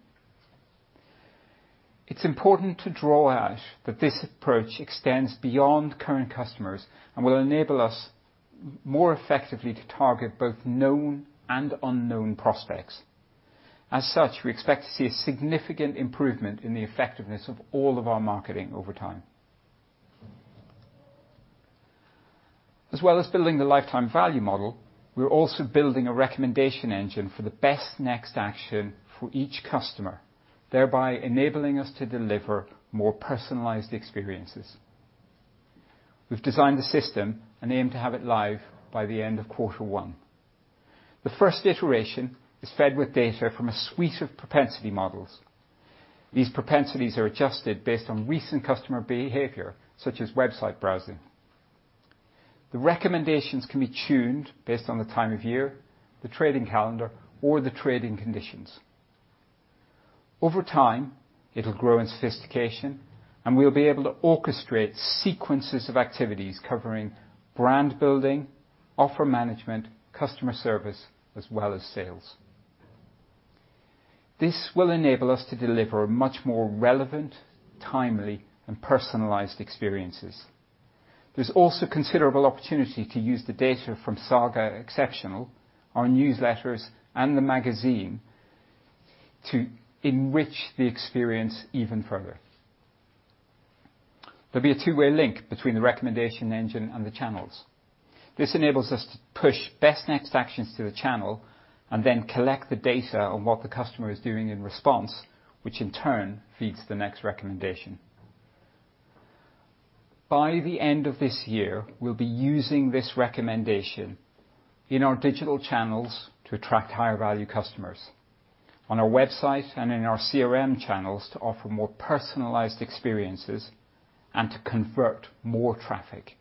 It's important to draw out that this approach extends beyond current customers, and will enable us more effectively to target both known and unknown prospects. As such, we expect to see a significant improvement in the effectiveness of all of our marketing over time. As well as building the lifetime value model, we're also building a recommendation engine for the best next action for each customer, thereby enabling us to deliver more personalized experiences. We've designed the system and aim to have it live by the end of quarter one. The first iteration is fed with data from a suite of propensity models. These propensities are adjusted based on recent customer behavior, such as website browsing. The recommendations can be tuned based on the time of year, the trading calendar, or the trading conditions. Over time, it'll grow in sophistication, and we'll be able to orchestrate sequences of activities covering brand building, offer management, customer service, as well as sales. This will enable us to deliver much more relevant, timely, and personalized experiences. There's also considerable opportunity to use the data from Saga Exceptional, our newsletters, and the magazine to enrich the experience even further. There'll be a two-way link between the recommendation engine and the channels. This enables us to push best next actions to the channel and then collect the data on what the customer is doing in response, which in turn feeds the next recommendation. By the end of this year, we'll be using this recommendation in our digital channels to attract higher value customers, on our website and in our CRM channels to offer more personalized experiences and to convert more traffic,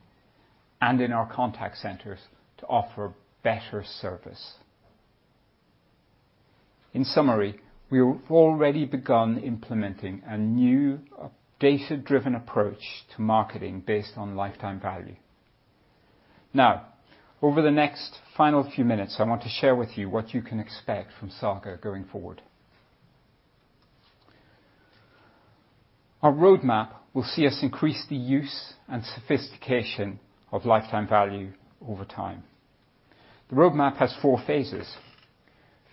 and in our contact centers to offer better service. In summary, we have already begun implementing a new data-driven approach to marketing based on lifetime value. Over the next final few minutes, I want to share with you what you can expect from Saga going forward. Our roadmap will see us increase the use and sophistication of lifetime value over time. The roadmap has four phases.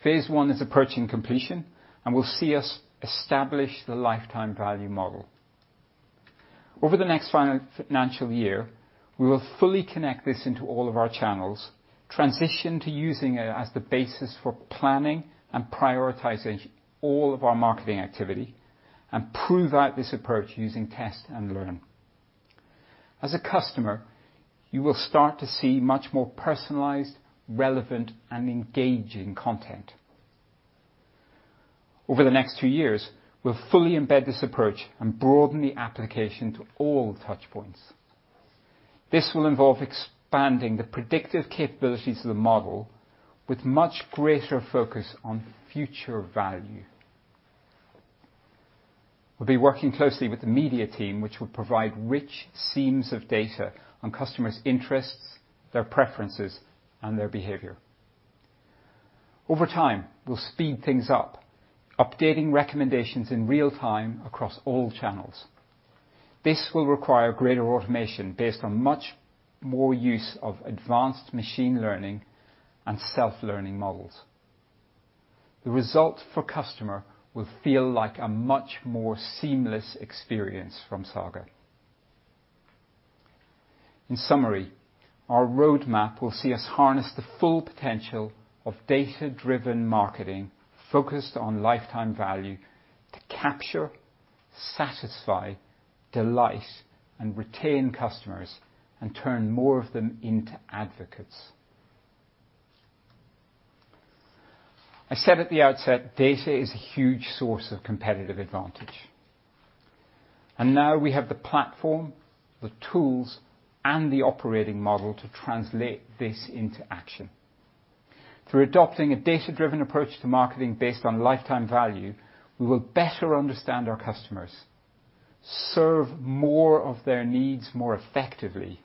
Phase one is approaching completion and will see us establish the lifetime value model. Over the next financial year, we will fully connect this into all of our channels, transition to using it as the basis for planning and prioritizing all of our marketing activity, and prove out this approach using test and learn. As a customer, you will start to see much more personalized, relevant, and engaging content. Over the next 2 years, we'll fully embed this approach and broaden the application to all touchpoints. This will involve expanding the predictive capabilities of the model with much greater focus on future value. We'll be working closely with the Media team, which will provide rich seams of data on customers' interests, their preferences, and their behavior. Over time, we'll speed things up, updating recommendations in real time across all channels. This will require greater automation based on much more use of advanced machine learning and self-learning models. The result for customer will feel like a much more seamless experience from Saga. In summary, our roadmap will see us harness the full potential of data-driven marketing focused on lifetime value to capture, satisfy, delight, and retain customers, and turn more of them into advocates. I said at the outset, data is a huge source of competitive advantage. Now we have the platform, the tools, and the operating model to translate this into action. Through adopting a data-driven approach to marketing based on lifetime value, we will better understand our customers, serve more of their needs more effectively,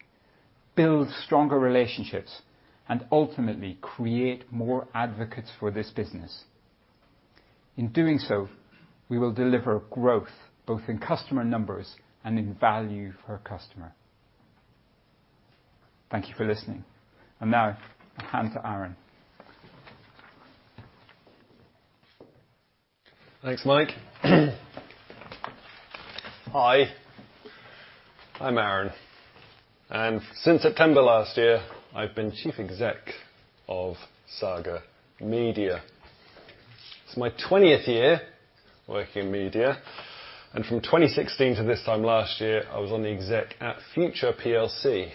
build stronger relationships, and ultimately create more advocates for this business. In doing so, we will deliver growth both in customer numbers and in value per customer. Thank you for listening. Now, I hand to Aaron.
Thanks, Mike. Hi, I'm Aaron. Since September last year, I've been Chief Exec of Saga Media. It's my 20th year working in media, and from 2016 to this time last year, I was on the exec at Future PLC.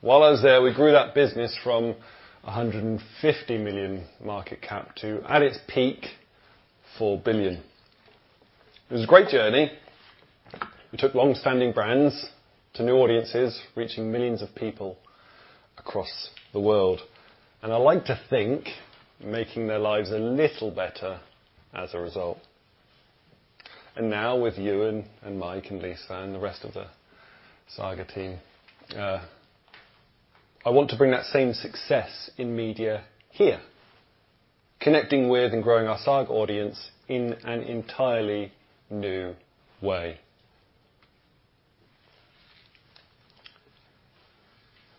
While I was there, we grew that business from a 150 million market cap to, at its peak, 4 billion. It was a great journey. We took long-standing brands to new audiences, reaching millions of people across the world, and I like to think making their lives a little better as a result. Now with Ewan and Mike and Lisa and the rest of the Saga team, I want to bring that same success in media here, connecting with and growing our Saga audience in an entirely new way.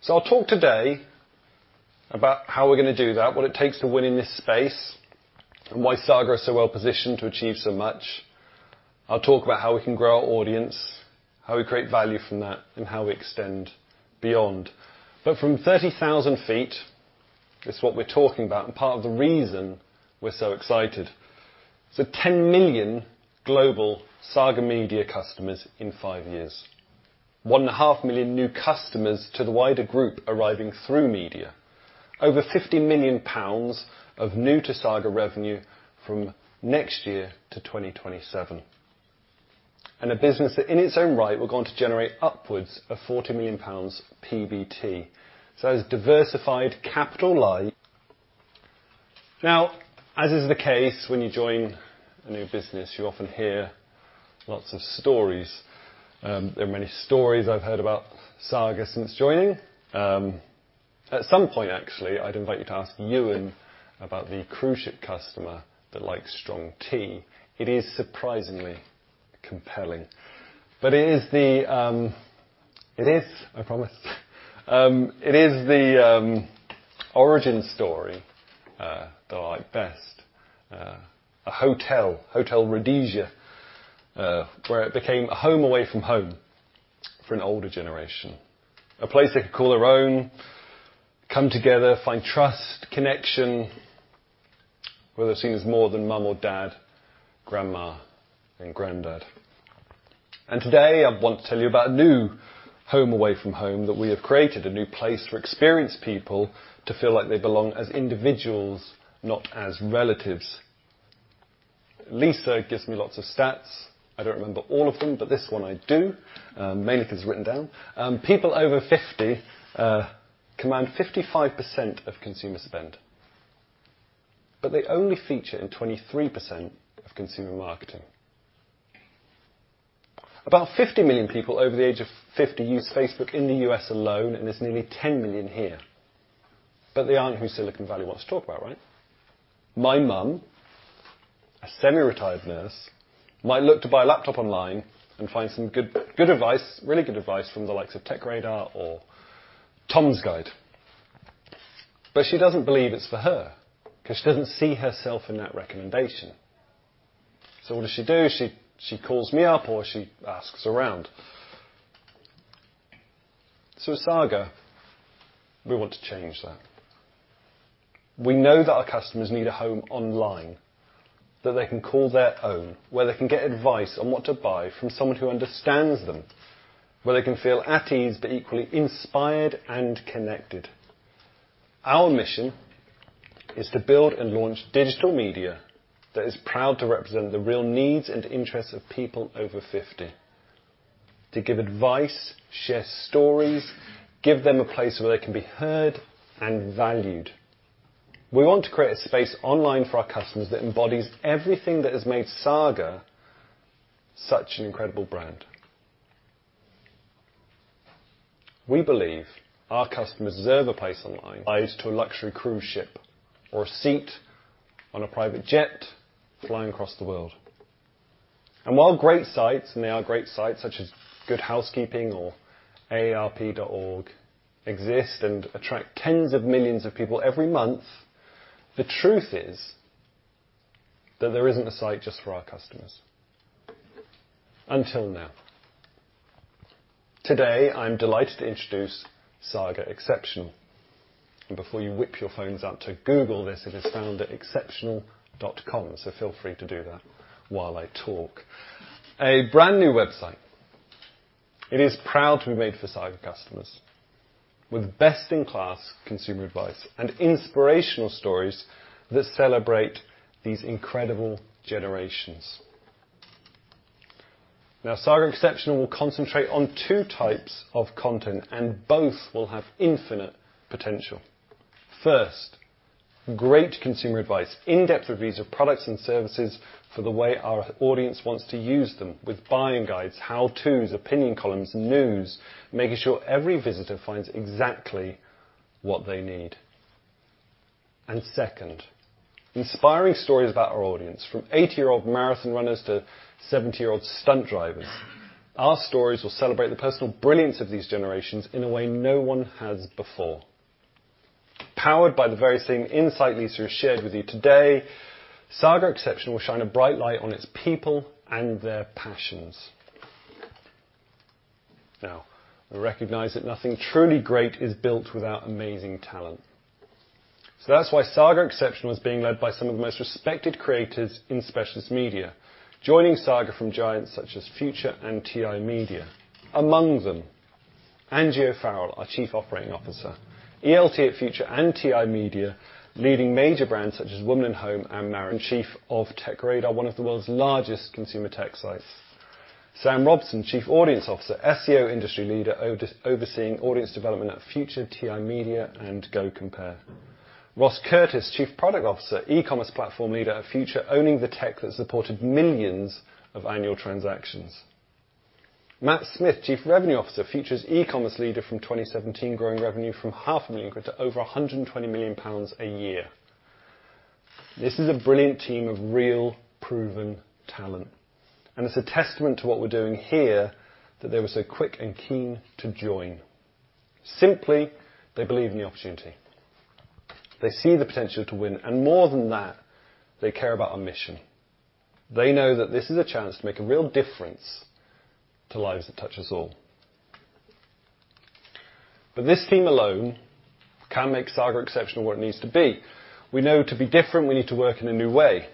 I'll talk today about how we're going to do that, what it takes to win in this space, and why Saga are so well positioned to achieve so much. I'll talk about how we can grow our audience, how we create value from that, and how we extend beyond. From 30,000 feet, it's what we're talking about and part of the reason we're so excited. Ten million global Saga Media customers in 5 years. 1.5 million new customers to the wider group arriving through media. Over 50 million pounds of new to Saga revenue from next year to 2027. A business that in its own right will go on to generate upwards of 40 million pounds PBT. It's diversified capital light. Now, as is the case, when you join a new business, you often hear lots of stories. There are many stories I've heard about Saga since joining. At some point, actually, I'd invite you to ask Ewan about the cruise ship customer that likes strong tea. It is surprisingly compelling. It is, I promise. It is the origin story that I like best. A hotel, Hotel Rhodesia, where it became a home away from home for an older generation. A place they could call their own, come together, find trust, connection. Where they're seen as more than mom or dad, grandma, and granddad. Today, I want to tell you about a new home away from home that we have created, a new place for experienced people to feel like they belong as individuals, not as relatives. Lisa gives me lots of stats. I don't remember all of them, but this one I do, mainly 'cause it's written down. People over 50 command 55% of consumer spend, but they only feature in 23% of consumer marketing. About 50 million people over the age of 50 use Facebook in the US alone, and there's nearly 10 million here. They aren't who Silicon Valley wants to talk about, right? My mum, a semi-retired nurse, might look to buy a laptop online and find some good advice, really good advice from the likes of TechRadar or Tom's Guide. She doesn't believe it's for her 'cause she doesn't see herself in that recommendation. What does she do? She calls me up or she asks around. At Saga, we want to change that. We know that our customers need a home online that they can call their own, where they can get advice on what to buy from someone who understands them, where they can feel at ease but equally inspired and connected. Our mission is to build and launch digital media that is proud to represent the real needs and interests of people over 50. To give advice, share stories, give them a place where they can be heard and valued. We want to create a space online for our customers that embodies everything that has made Saga such an incredible brand. We believe our customers deserve a place online to a luxury cruise ship or a seat on a private jet flying across the world. While great sites, and they are great sites such as Good Housekeeping or aarp.org exist and attract tens of millions of people every month, the truth is that there isn't a site just for our customers, until now. Today, I'm delighted to introduce Saga Exceptional. Before you whip your phones out to Google this, it is found at exceptional.com, so feel free to do that while I talk. A brand-new website. It is proud to be made for Saga customers with best-in-class consumer advice and inspirational stories that celebrate these incredible generations. Now, Saga Exceptional will concentrate on two types of content, and both will have infinite potential. First, great consumer advice, in-depth reviews of products and services for the way our audience wants to use them with buying guides, how-tos, opinion columns, news, making sure every visitor finds exactly what they need. Second, inspiring stories about our audience, from 80-year-old marathon runners to 70-year-old stunt drivers. Our stories will celebrate the personal brilliance of these generations in a way no one has before. Powered by the very same insight Lisa has shared with you today, Saga Exceptional will shine a bright light on its people and their passions. We recognize that nothing truly great is built without amazing talent. That's why Saga Exceptional is being led by some of the most respected creators in specialist media, joining Saga from giants such as Future and TI Media. Among them, Angie O'Farrell, our Chief Operating Officer, ELT at Future and TI Media, leading major brands such as Woman & Home and Marie Claire, Chief of TechRadar, one of the world's largest consumer tech sites. Sam Robson, Chief Audience Officer, SEO industry leader overseeing audience development at Future, TI Media, and GoCompare. Ross Curtis, Chief Product Officer, eCommerce platform leader at Future, owning the tech that supported millions of annual transactions. Matt Smith, Chief Revenue Officer, Future's eCommerce leader from 2017, growing revenue from half a million quid to over 120 million pounds a year. It's a brilliant team of real proven talent, and it's a testament to what we're doing here that they were so quick and keen to join. Simply, they believe in the opportunity. More than that, they care about our mission. They know that this is a chance to make a real difference to lives that touch us all. This team alone can't make Saga Exceptional what it needs to be. We know to be different, we need to work in a new way,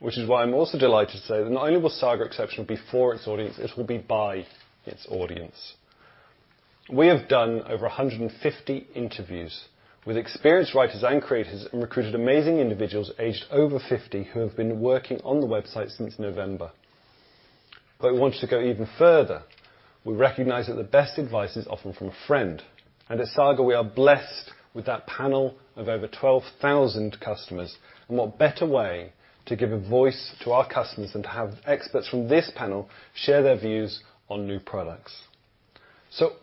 which is why I'm also delighted to say that not only will Saga Exceptional be for its audience, it will be by its audience. We have done over 150 interviews with experienced writers and creators and recruited amazing individuals aged over 50 who have been working on the website since November. We wanted to go even further. We recognize that the best advice is often from a friend. At Saga, we are blessed with that panel of over 12,000 customers. What better way to give a voice to our customers than to have experts from this panel share their views on new products?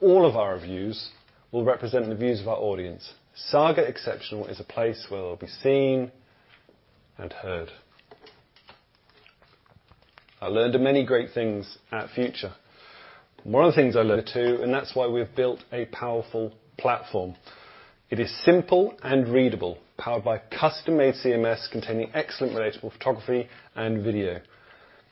All of our reviews will represent the views of our audience. Saga Exceptional is a place where they'll be seen and heard. I learned many great things at Future. One of the things I learned too, that's why we have built a powerful platform. It is simple and readable, powered by custom-made CMS containing excellent relatable photography and video.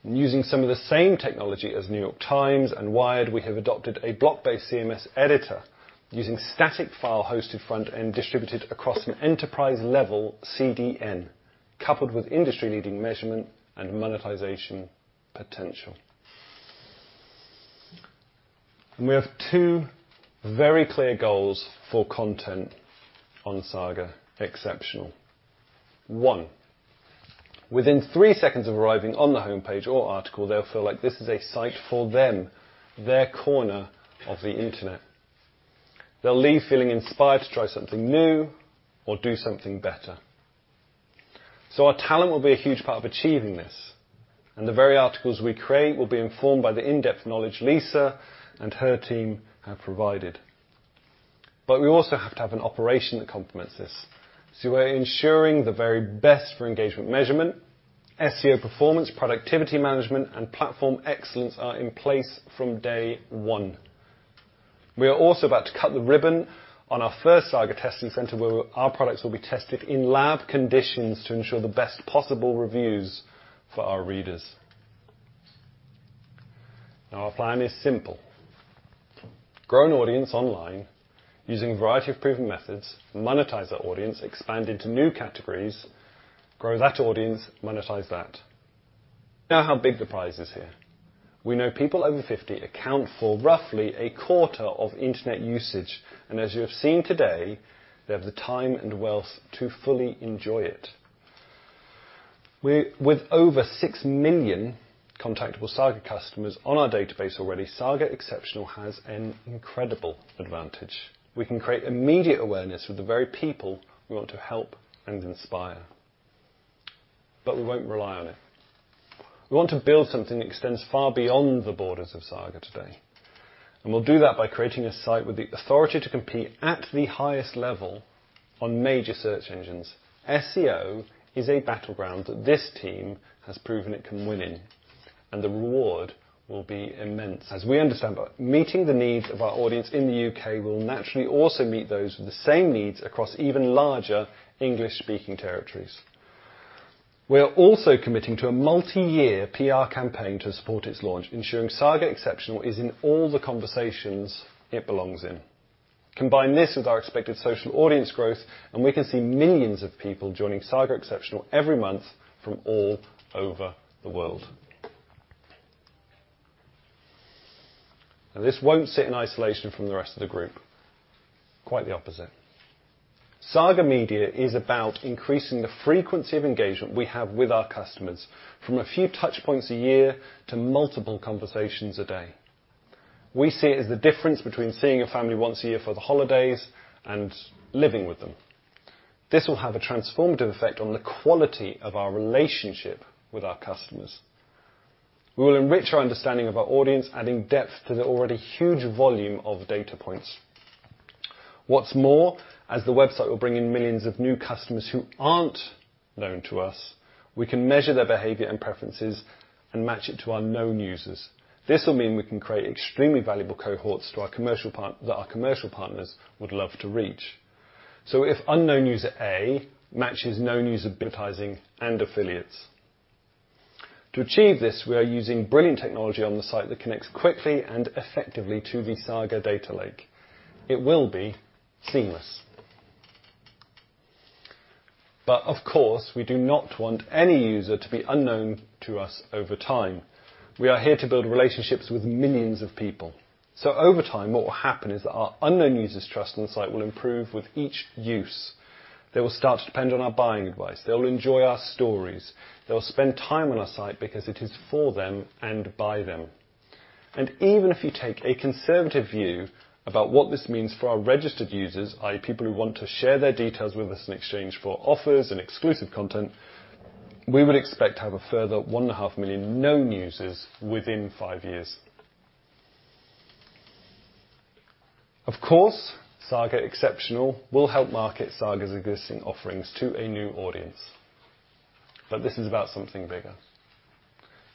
Using some of the same technology as The New York Times and Wired, we have adopted a block-based CMS editor using static file hosted front and distributed across an enterprise-level CDN, coupled with industry-leading measurement and monetization potential. We have two very clear goals for content on Saga Exceptional. One, within three seconds of arriving on the homepage or article, they'll feel like this is a site for them, their corner of the internet. They'll leave feeling inspired to try something new or do something better. Our talent will be a huge part of achieving this, and the very articles we create will be informed by the in-depth knowledge Lisa and her team have provided. We also have to have an operation that complements this. We're ensuring the very best for engagement measurement, SEO performance, productivity management, and platform excellence are in place from day one. We are also about to cut the ribbon on our first Saga Testing Center, where our products will be tested in lab conditions to ensure the best possible reviews for our readers. Our plan is simple. Grow an audience online using a variety of proven methods, monetize that audience, expand into new categories, grow that audience, monetize that. How big the prize is here. We know people over 50 account for roughly a quarter of internet usage, and as you have seen today, they have the time and wealth to fully enjoy it. With over 6 million contactable Saga customers on our database already, Saga Exceptional has an incredible advantage. We can create immediate awareness with the very people we want to help and inspire. We won't rely on it. We want to build something that extends far beyond the borders of Saga today. We'll do that by creating a site with the authority to compete at the highest level on major search engines. SEO is a battleground that this team has proven it can win in. The reward will be immense. As we understand by meeting the needs of our audience in the U.K., we'll naturally also meet those with the same needs across even larger English-speaking territories. We are also committing to a multi-year PR campaign to support its launch, ensuring Saga Exceptional is in all the conversations it belongs in. Combine this with our expected social audience growth, and we can see millions of people joining Saga Exceptional every month from all over the world. This won't sit in isolation from the rest of the group. Quite the opposite. Saga Media is about increasing the frequency of engagement we have with our customers, from a few touch points a year to multiple conversations a day. We see it as the difference between seeing your family once a year for the holidays and living with them. This will have a transformative effect on the quality of our relationship with our customers. We will enrich our understanding of our audience, adding depth to the already huge volume of data points. As the website will bring in millions of new customers who aren't known to us, we can measure their behavior and preferences and match it to our known users. This will mean we can create extremely valuable cohorts that our commercial partners would love to reach. If unknown user A matches known user advertising and affiliates. To achieve this, we are using brilliant technology on the site that connects quickly and effectively to the Saga data lake. It will be seamless. Of course, we do not want any user to be unknown to us over time. We are here to build relationships with millions of people. Over time, what will happen is that our unknown users trust in the site will improve with each use. They will start to depend on our buying advice. They will enjoy our stories. They will spend time on our site because it is for them and by them. Even if you take a conservative view about what this means for our registered users, i.e. people who want to share their details with us in exchange for offers and exclusive content, we would expect to have a further 1.5 million known users within five years. Of course, Saga Exceptional will help market Saga's existing offerings to a new audience. This is about something bigger.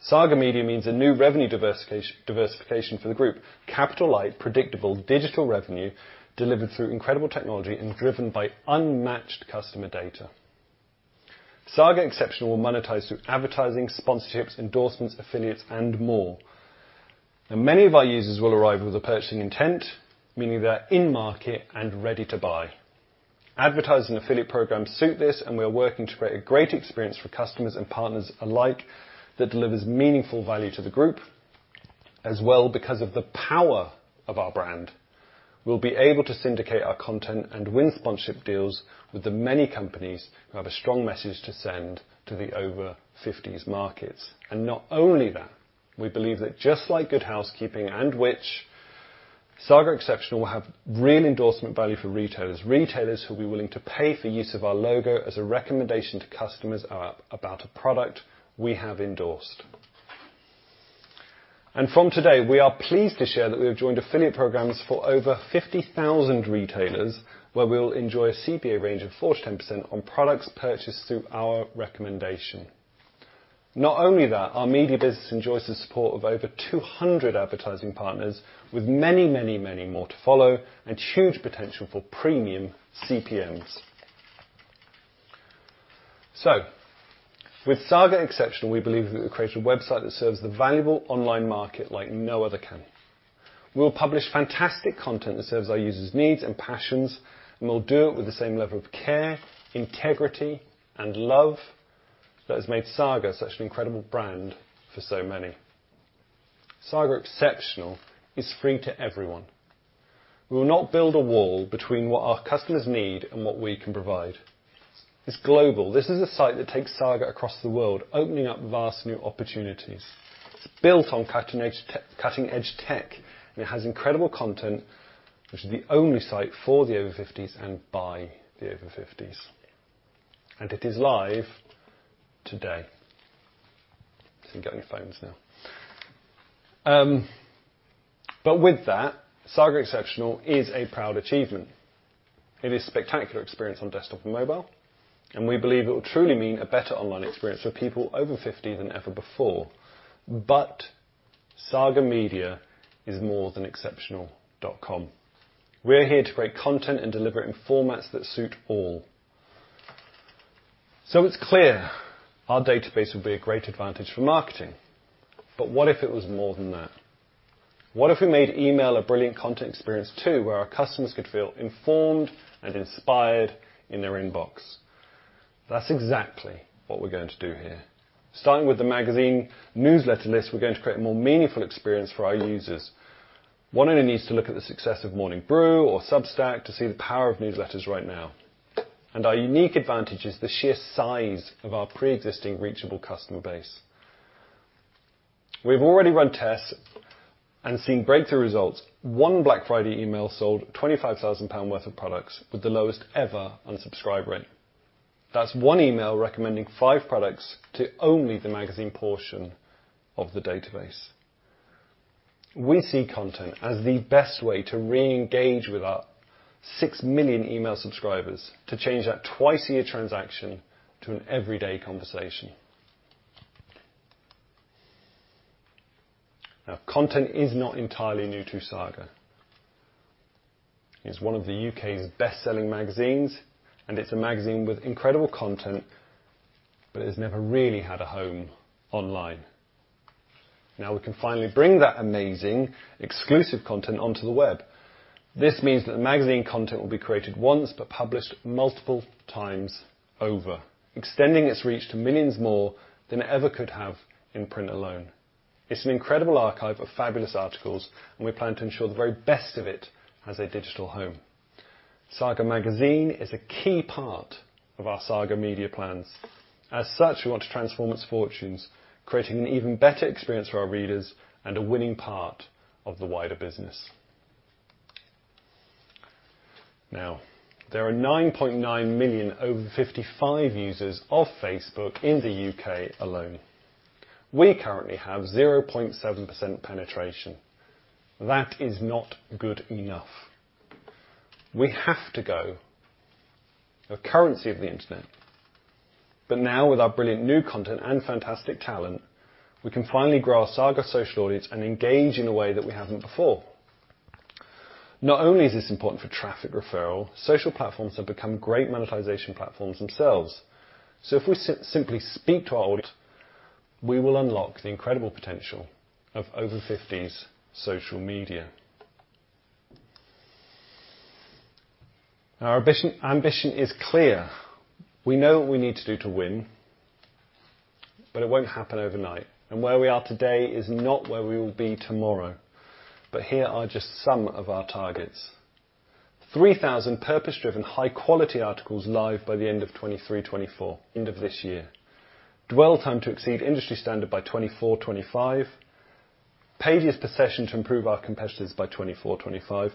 Saga Media means a new revenue diversification for the group. Capital-light, predictable digital revenue delivered through incredible technology and driven by unmatched customer data. Saga Exceptional will monetize through advertising, sponsorships, endorsements, affiliates, and more. Many of our users will arrive with a purchasing intent, meaning they're in market and ready to buy. Advertising affiliate programs suit this. We are working to create a great experience for customers and partners alike that delivers meaningful value to the group. As well, because of the power of our brand, we'll be able to syndicate our content and win sponsorship deals with the many companies who have a strong message to send to the over fifties markets. Not only that, we believe that just like Good Housekeeping and Which?, Saga Exceptional will have real endorsement value for retailers. Retailers who will be willing to pay for use of our logo as a recommendation to customers about a product we have endorsed. From today, we are pleased to share that we have joined affiliate programs for over 50,000 retailers, where we'll enjoy a CPA range of 4%-10% on products purchased through our recommendation. Not only that, our media business enjoys the support of over 200 advertising partners with many more to follow and huge potential for premium CPMs. With Saga Exceptional, we believe that we've created a website that serves the valuable online market like no other can. We'll publish fantastic content that serves our users' needs and passions, and we'll do it with the same level of care, integrity, and love that has made Saga such an incredible brand for so many. Saga Exceptional is free to everyone. We will not build a wall between what our customers need and what we can provide. It's global. This is a site that takes Saga across the world, opening up vast new opportunities. It's built on cutting-edge tech, and it has incredible content, which is the only site for the over-50s and by the over-50s. It is live today. Getting phones now. With that, Saga Exceptional is a proud achievement. It is a spectacular experience on desktop and mobile, and we believe it will truly mean a better online experience for people over 50 than ever before. Saga Media is more than exceptional.com. We are here to create content and deliver it in formats that suit all. It's clear our database will be a great advantage for marketing. What if it was more than that? What if we made email a brilliant content experience too, where our customers could feel informed and inspired in their inbox? That's exactly what we're going to do here. Starting with the magazine newsletter list, we're going to create a more meaningful experience for our users. One only needs to look at the success of Morning Brew or Substack to see the power of newsletters right now. Our unique advantage is the sheer size of our pre-existing reachable customer base. We've already run tests and seen breakthrough results. One Black Friday email sold 25,000 pound worth of products with the lowest ever unsubscribe rate. That's one email recommending five products to only the magazine portion of the database. We see content as the best way to re-engage with our 6 million email subscribers to change that twice-a-year transaction to an everyday conversation. Content is not entirely new to Saga. It's one of the U.K.'s best-selling magazines, and it's a magazine with incredible content, but it has never really had a home online. We can finally bring that amazing exclusive content onto the web. This means that the magazine content will be created once but published multiple times over, extending its reach to millions more than it ever could have in print alone. It's an incredible archive of fabulous articles. We plan to ensure the very best of it has a digital home. Saga Magazine is a key part of our Saga Media plans. As such, we want to transform its fortunes, creating an even better experience for our readers and a winning part of the wider business. There are 9.9 million over 55 users of Facebook in the UK alone. We currently have 0.7% penetration. That is not good enough. We have to go. The currency of the internet. Now, with our brilliant new content and fantastic talent, we can finally grow our Saga social audience and engage in a way that we haven't before. Not only is this important for traffic referral, social platforms have become great monetization platforms themselves. If we simply speak to our audience, we will unlock the incredible potential of over 50s social media. Our ambition is clear. We know what we need to do to win, but it won't happen overnight. Where we are today is not where we will be tomorrow. Here are just some of our targets. 3,000 purpose-driven, high-quality articles live by the end of 2023-2024, end of this year. Dwell time to exceed industry standard by 2024-2025. Pages per session to improve our competitors by 2024-2025.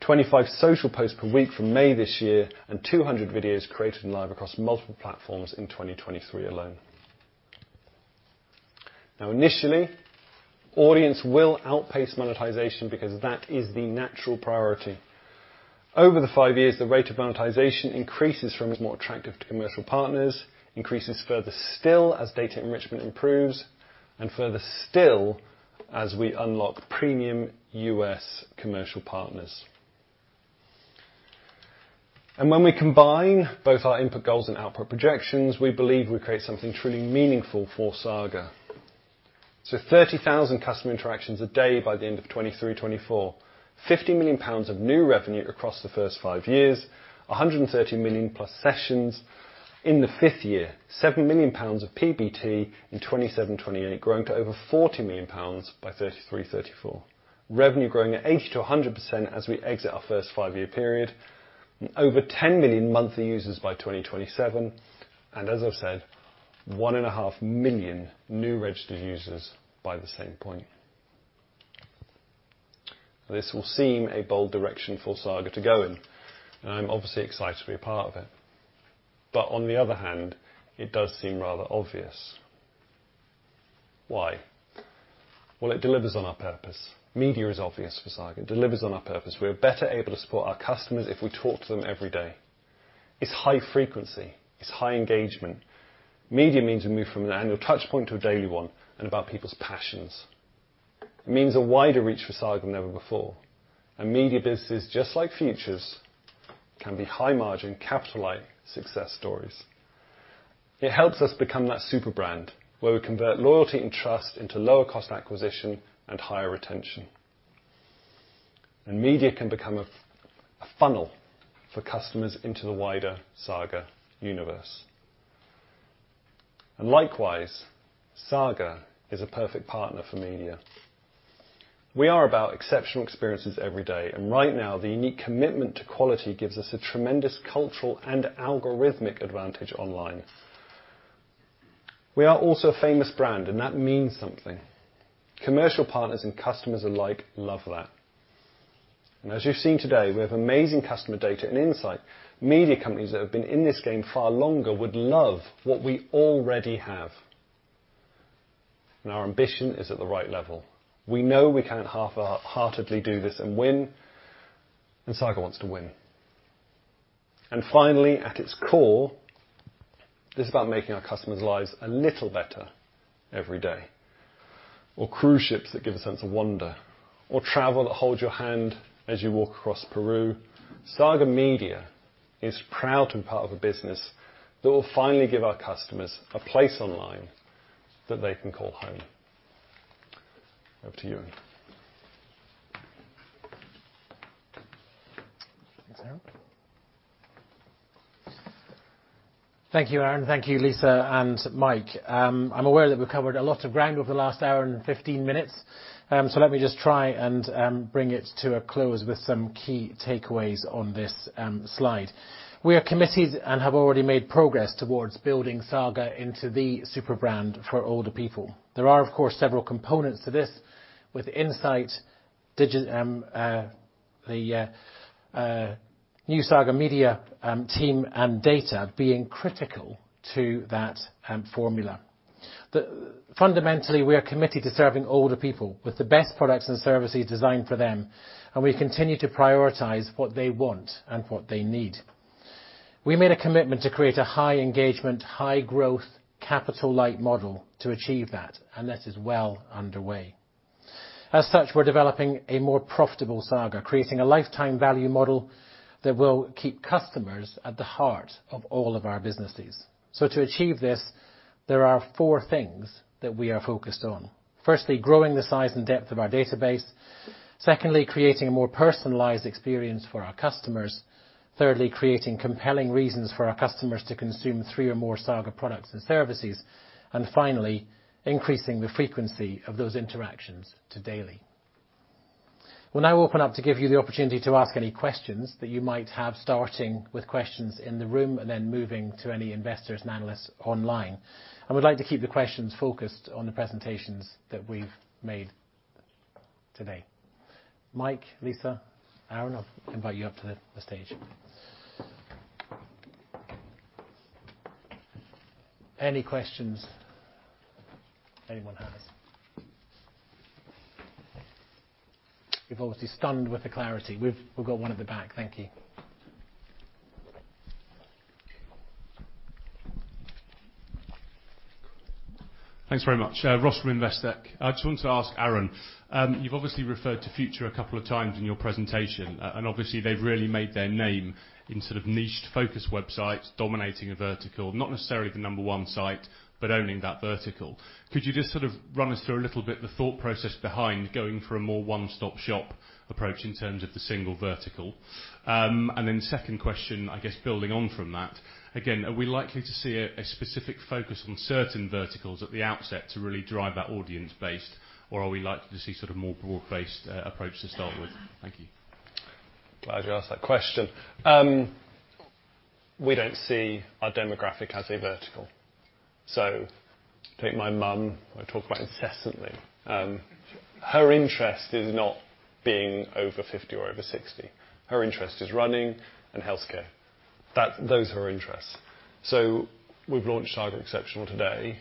25 social posts per week from May this year. 200 videos created and live across multiple platforms in 2023 alone. Initially, audience will outpace monetization because that is the natural priority. Over the five years, the rate of monetization increases from its more attractive to commercial partners, increases further still as data enrichment improves, and further still as we unlock premium U.S. commercial partners. When we combine both our input goals and output projections, we believe we create something truly meaningful for Saga. 30,000 customer interactions a day by the end of 2023-2024. 50 million pounds of new revenue across the first five years. 130 million+ sessions in the fifth year. 7 million pounds of PBT in 2027-2028, growing to over 40 million pounds by 2033-2034. Revenue growing at 80%-100% as we exit our first five-year period. Over 10 million monthly users by 2027. As I've said, one and a half million new registered users by the same point. This will seem a bold direction for Saga to go in, I'm obviously excited to be a part of it. On the other hand, it does seem rather obvious. Why? Well, it delivers on our purpose. Media is obvious for Saga. It delivers on our purpose. We're better able to support our customers if we talk to them every day. It's high frequency. It's high engagement. Media means we move from an annual touch point to a daily one and about people's passions. It means a wider reach for Saga than ever before. Media business, just like Futures, can be high margin, capitalize success stories. It helps us become that superbrand where we convert loyalty and trust into lower cost acquisition and higher retention. Media can become a funnel for customers into the wider Saga universe. Likewise, Saga is a perfect partner for media. We are about exceptional experiences every day, and right now, the unique commitment to quality gives us a tremendous cultural and algorithmic advantage online. We are also a famous brand, and that means something. Commercial partners and customers alike love that. As you've seen today, we have amazing customer data and insight. Media companies that have been in this game far longer would love what we already have. Our ambition is at the right level. We know we can't half-heartedly do this and win, and Saga wants to win. Finally, at its core, this is about making our customers' lives a little better every day. Cruise ships that give a sense of wonder or travel that holds your hand as you walk across Peru. Saga Media is proud to be part of a business that will finally give our customers a place online that they can call home. Over to you.
Thanks, Aaron. Thank you, Aaron. Thank you, Lisa and Mike. I'm aware that we've covered a lot of ground over the last 1 hour and 15 minutes. Let me just try and bring it to a close with some key takeaways on this slide. We are committed and have already made progress towards building Saga into the superbrand for older people. There are, of course, several components to this with insight, the new Saga Media team, and data being critical to that formula. Fundamentally, we are committed to serving older people with the best products and services designed for them, and we continue to prioritize what they want and what they need. We made a commitment to create a high engagement, high growth, capital-light model to achieve that, and this is well underway. As such, we're developing a more profitable Saga, creating a lifetime value model that will keep customers at the heart of all of our businesses. To achieve this, there are 4 things that we are focused on. Firstly, growing the size and depth of our database. Secondly, creating a more personalized experience for our customers. Thirdly, creating compelling reasons for our customers to consume 3 or more Saga products and services. Finally, increasing the frequency of those interactions to daily. We'll now open up to give you the opportunity to ask any questions that you might have, starting with questions in the room and then moving to any investors and analysts online. I would like to keep the questions focused on the presentations that we've made today. Mike, Lisa, Aaron, I'll invite you up to the stage. Any questions anyone has? You're obviously stunned with the clarity. We've got one at the back. Thank you.
Thanks very much. Ross from Investec. I just wanted to ask Aaron, you've obviously referred to Future a couple of times in your presentation, and obviously they've really made their name in sort of niched focus websites dominating a vertical, not necessarily the number one site, but owning that vertical. Could you just sort of run us through a little bit the thought process behind going for a more one-stop shop approach in terms of the single vertical? Second question, I guess building on from that, again, are we likely to see a specific focus on certain verticals at the outset to really drive that audience base, or are we likely to see sort of more broad-based approach to start with? Thank you.
Glad you asked that question. We don't see our demographic as a vertical. Take my mom, who I talk about incessantly. Her interest is not being over 50 or over 60. Her interest is running and healthcare. Those are her interests. We've launched Saga Exceptional today.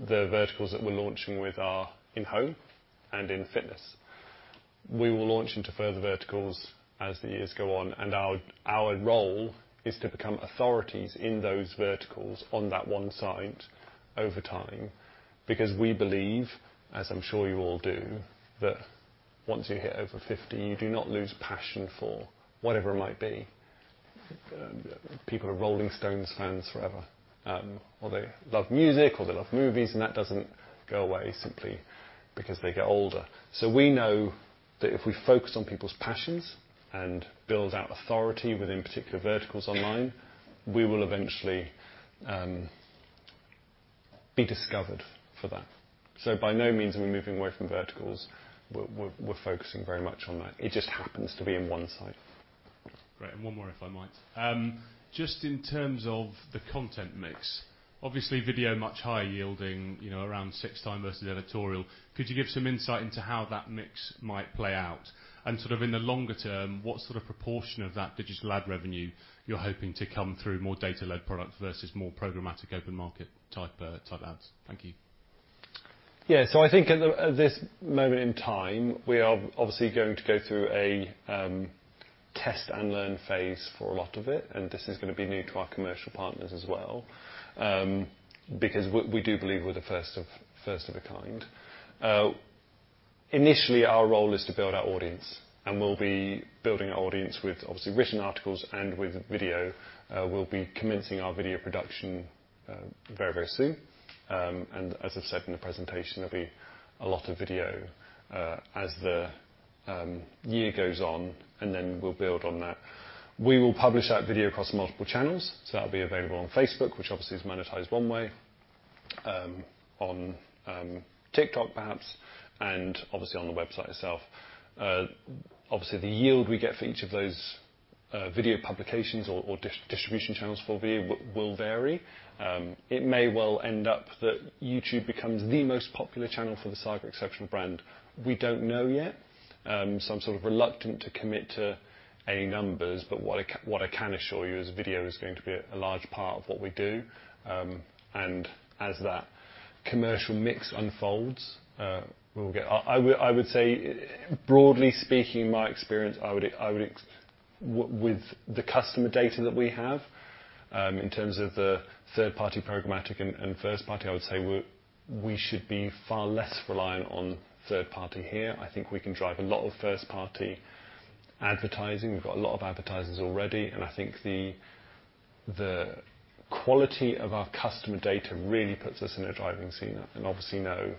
The verticals that we're launching with are in-home and in fitness. We will launch into further verticals as the years go on, and our role is to become authorities in those verticals on that one site over time because we believe, as I'm sure you all do, that once you hit over 50, you do not lose passion for whatever it might be. People are Rolling Stones fans forever. They love music, or they love movies, and that doesn't go away simply because they get older. We know that if we focus on people's passions and build out authority within particular verticals online, we will eventually be discovered for that. By no means are we moving away from verticals. We're focusing very much on that. It just happens to be in one site.
Great. One more, if I might. Just in terms of the content mix, obviously video much higher yielding, around 6 times versus editorial. Could you give some insight into how that mix might play out? In the longer term, what proportion of that digital ad revenue you're hoping to come through more data-led products versus more programmatic open market type ads? Thank you.
Yeah. I think at this moment in time, we are obviously going to go through a Test and learn phase for a lot of it. This is gonna be new to our commercial partners as well, because we do believe we're the first of a kind. Initially, our role is to build our audience. We'll be building our audience with, obviously, written articles and with video. We'll be commencing our video production very, very soon. As I've said in the presentation, there'll be a lot of video as the year goes on. We'll build on that. We will publish that video across multiple channels. That'll be available on Facebook, which obviously is monetized one way, on TikTok perhaps, and obviously on the website itself. Obviously the yield we get for each of those video publications or distribution channels for video will vary. It may well end up that YouTube becomes the most popular channel for the Saga Exceptional brand. We don't know yet, so I'm sort of reluctant to commit to any numbers, but what I can assure you is video is going to be a large part of what we do. And as that commercial mix unfolds, we'll get... I would say broadly speaking, in my experience, With the customer data that we have, in terms of the third-party programmatic and first-party, I would say we're, we should be far less reliant on third-party here. I think we can drive a lot of first-party advertising. We've got a lot of advertisers already, I think the quality of our customer data really puts us in the driving seat. Obviously, you know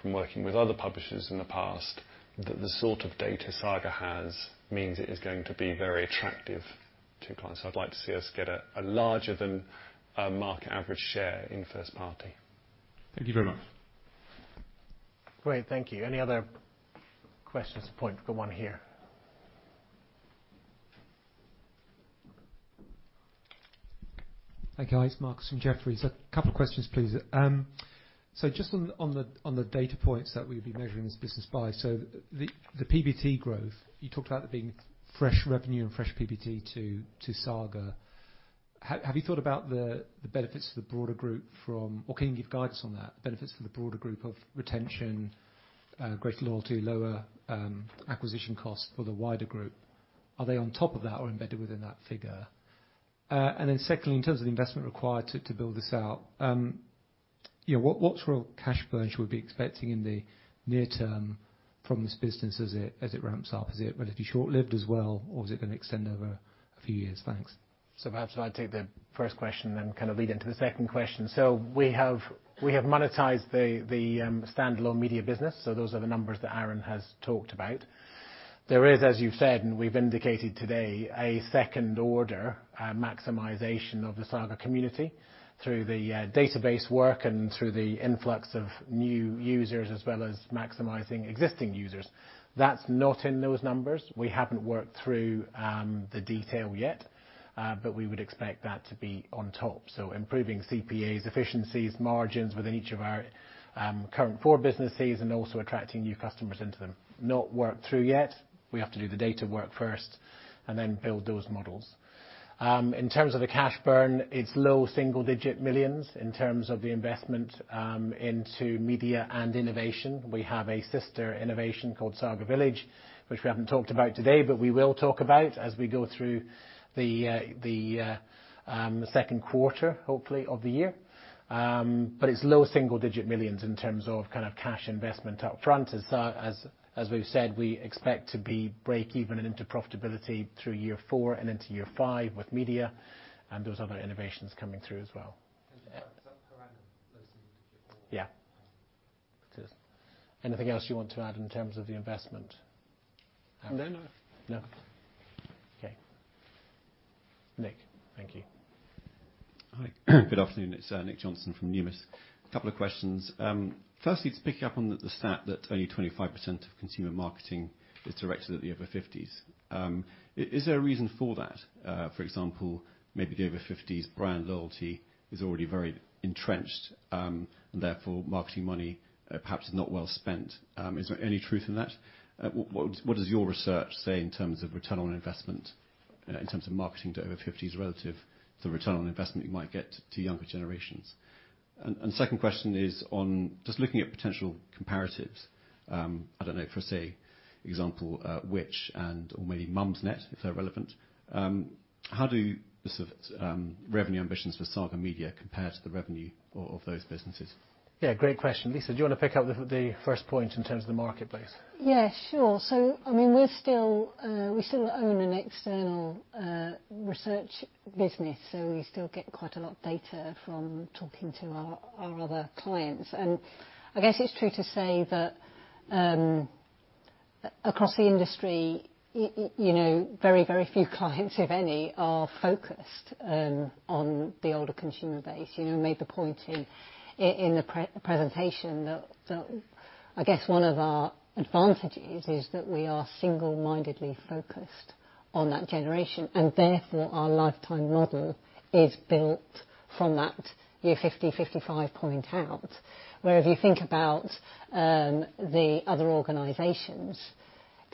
from working with other publishers in the past that the sort of data Saga has means it is going to be very attractive to clients. I'd like to see us get a larger than market average share in first party.
Thank you very much.
Great. Thank you. Any other questions? Point to the one here.
Thank you. Hi, it's Marcus from Jefferies. A couple of questions, please. Just on the data points that we'll be measuring this business by. The PBT growth, you talked about there being fresh revenue and fresh PBT to Saga. Have you thought about the benefits to the broader group? Can you give guidance on that, the benefits to the broader group of retention, greater loyalty, lower acquisition costs for the wider group? Are they on top of that or embedded within that figure? Secondly, in terms of the investment required to build this out, you know, what sort of cash burn should we be expecting in the near term from this business as it ramps up? Is it relatively short-lived as well, or is it gonna extend over a few years? Thanks.
Perhaps if I take the first question, kind of lead into the second question. We have monetized the standalone Saga Media business, so those are the numbers that Aaron has talked about. There is, as you've said, and we've indicated today, a second order maximization of the Saga community through the database work and through the influx of new users as well as maximizing existing users. That's not in those numbers. We haven't worked through the detail yet, we would expect that to be on top. Improving CPAs, efficiencies, margins within each of our current four businesses, and also attracting new customers into them. Not worked through yet. We have to do the data work first, build those models. In terms of the cash burn, it's low single digit millions in terms of the investment into Media and innovation. We have a sister innovation called Saga Village, which we haven't talked about today, but we will talk about as we go through the Q2, hopefully, of the year. But it's low single digit millions in terms of cash investment up front. As we've said, we expect to be break even and into profitability through year four and into year five with Media and those other innovations coming through as well.
Is that per annum, low single digit or?
Yeah. It is. Anything else you want to add in terms of the investment, Aaron?
No, no.
No? Okay. Nick. Thank you.
Hi. Good afternoon. It's Nick Johnson from Numis. A couple of questions. Firstly, to pick up on the stat that only 25% of consumer marketing is directed at the over fifties. Is there a reason for that? For example, maybe the over fifties brand loyalty is already very entrenched, and therefore marketing money perhaps is not well spent. Is there any truth in that? What does your research say in terms of ROI in terms of marketing to over fifties relative to the ROI you might get to younger generations? Second question is on just looking at potential comparatives, I don't know, for example, Which and or maybe Mumsnet, if they're relevant. How do the sort of, revenue ambitions for Saga Media compare to the revenue of those businesses?
Yeah, great question. Lisa, do you wanna pick up the first point in terms of the marketplace?
Sure. I mean, we're still, we still own an external research business, so we still get quite a lot of data from talking to our other clients. I guess it's true to say that, across the industry, you know, very, very few clients, if any, are focused on the older consumer base. You know, we made the point in the pre-presentation that I guess one of our advantages is that we are single-mindedly focused on that generation, and therefore our lifetime model is built from that year 50, 55 point out. Where if you think about the other organizations,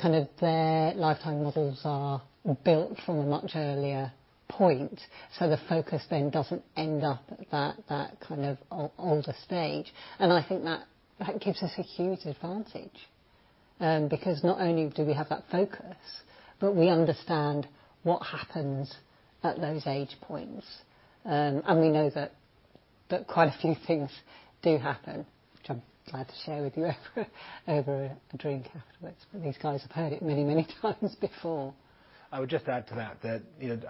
kind of their lifetime models are built from a much earlier point. The focus then doesn't end up at that kind of older stage. I think that gives us a huge advantage. Not only do we have that focus, but we understand what happens at those age points. We know that quite a few things do happen, which I'm glad to share with you over a drink afterwards. These guys have heard it many times before.
I would just add to that, you know,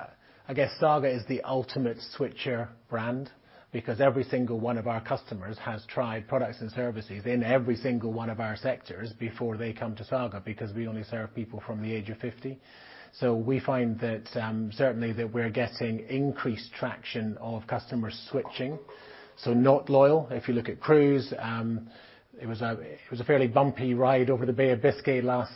I guess Saga is the ultimate switcher brand, because every single one of our customers has tried products and services in every single one of our sectors before they come to Saga, because we only serve people from the age of 50. We find that, certainly that we're getting increased traction of customers switching, so not loyal. If you look at cruise, it was a, it was a fairly bumpy ride over the Bay of Biscay last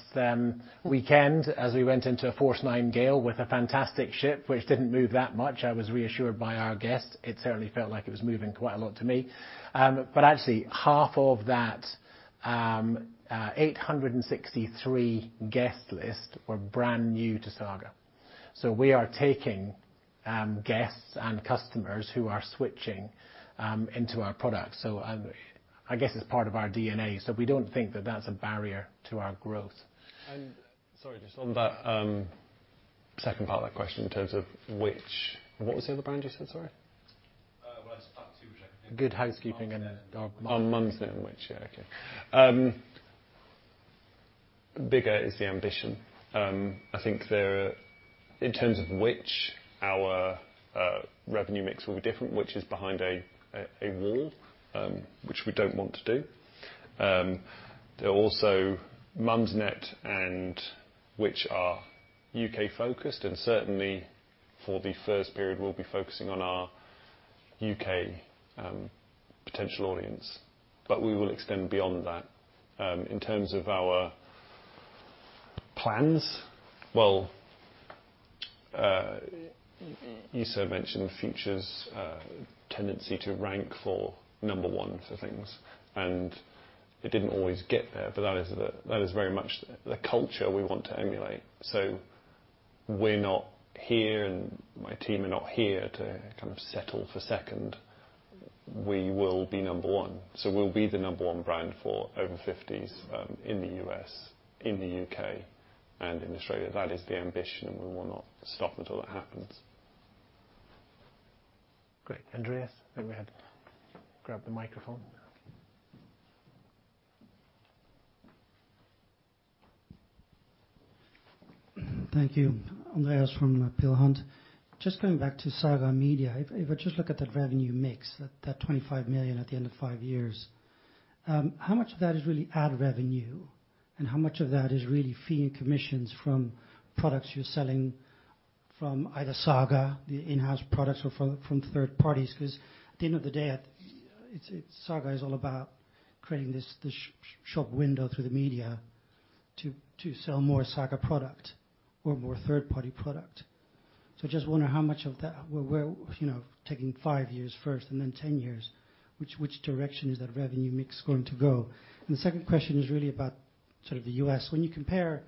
weekend, as we went into a force 9 gale with a fantastic ship which didn't move that much. I was reassured by our guests. It certainly felt like it was moving quite a lot to me. Actually half of that, 863 guest list were brand new to Saga. We are taking guests and customers who are switching into our products. I guess it's part of our DNA. We don't think that that's a barrier to our growth.
Sorry, just on that, second part of that question in terms of what was the other brand you said, sorry?
Well, it's part two, which I think.
Good Housekeeping and, Mumsnet.
Mumsnet and Which? Yeah, okay. Bigger is the ambition. I think there, in terms of Which?, our revenue mix will be different. Which? is behind a wall, which we don't want to do. There are also Mumsnet and Which? are UK-focused, and certainly for the first period we'll be focusing on our UK potential audience. We will extend beyond that. In terms of our plans, well, you sort of mentioned Future's tendency to rank for number one for things, and it didn't always get there, but that is very much the culture we want to emulate. We're not here, and my team are not here to kind of settle for second. We will be number one. We'll be the number one brand for over fifties in the U.S., in the U.K., and in Australia. That is the ambition, and we will not stop until that happens.
Great. Andreas, maybe we grab the microphone.
Thank you. Andreas from Peel Hunt. Just going back to Saga Media. If I just look at that revenue mix, that 25 million at the end of 5 years, how much of that is really ad revenue, and how much of that is really fee and commissions from products you're selling from either Saga, the in-house products, or from third parties? At the end of the day, Saga is all about creating this shop window through the media to sell more Saga product or more third-party product. I just wonder how much of that, where, you know, taking 5 years first and then 10 years, which direction is that revenue mix going to go? The second question is really about sort of the U.S. When you compare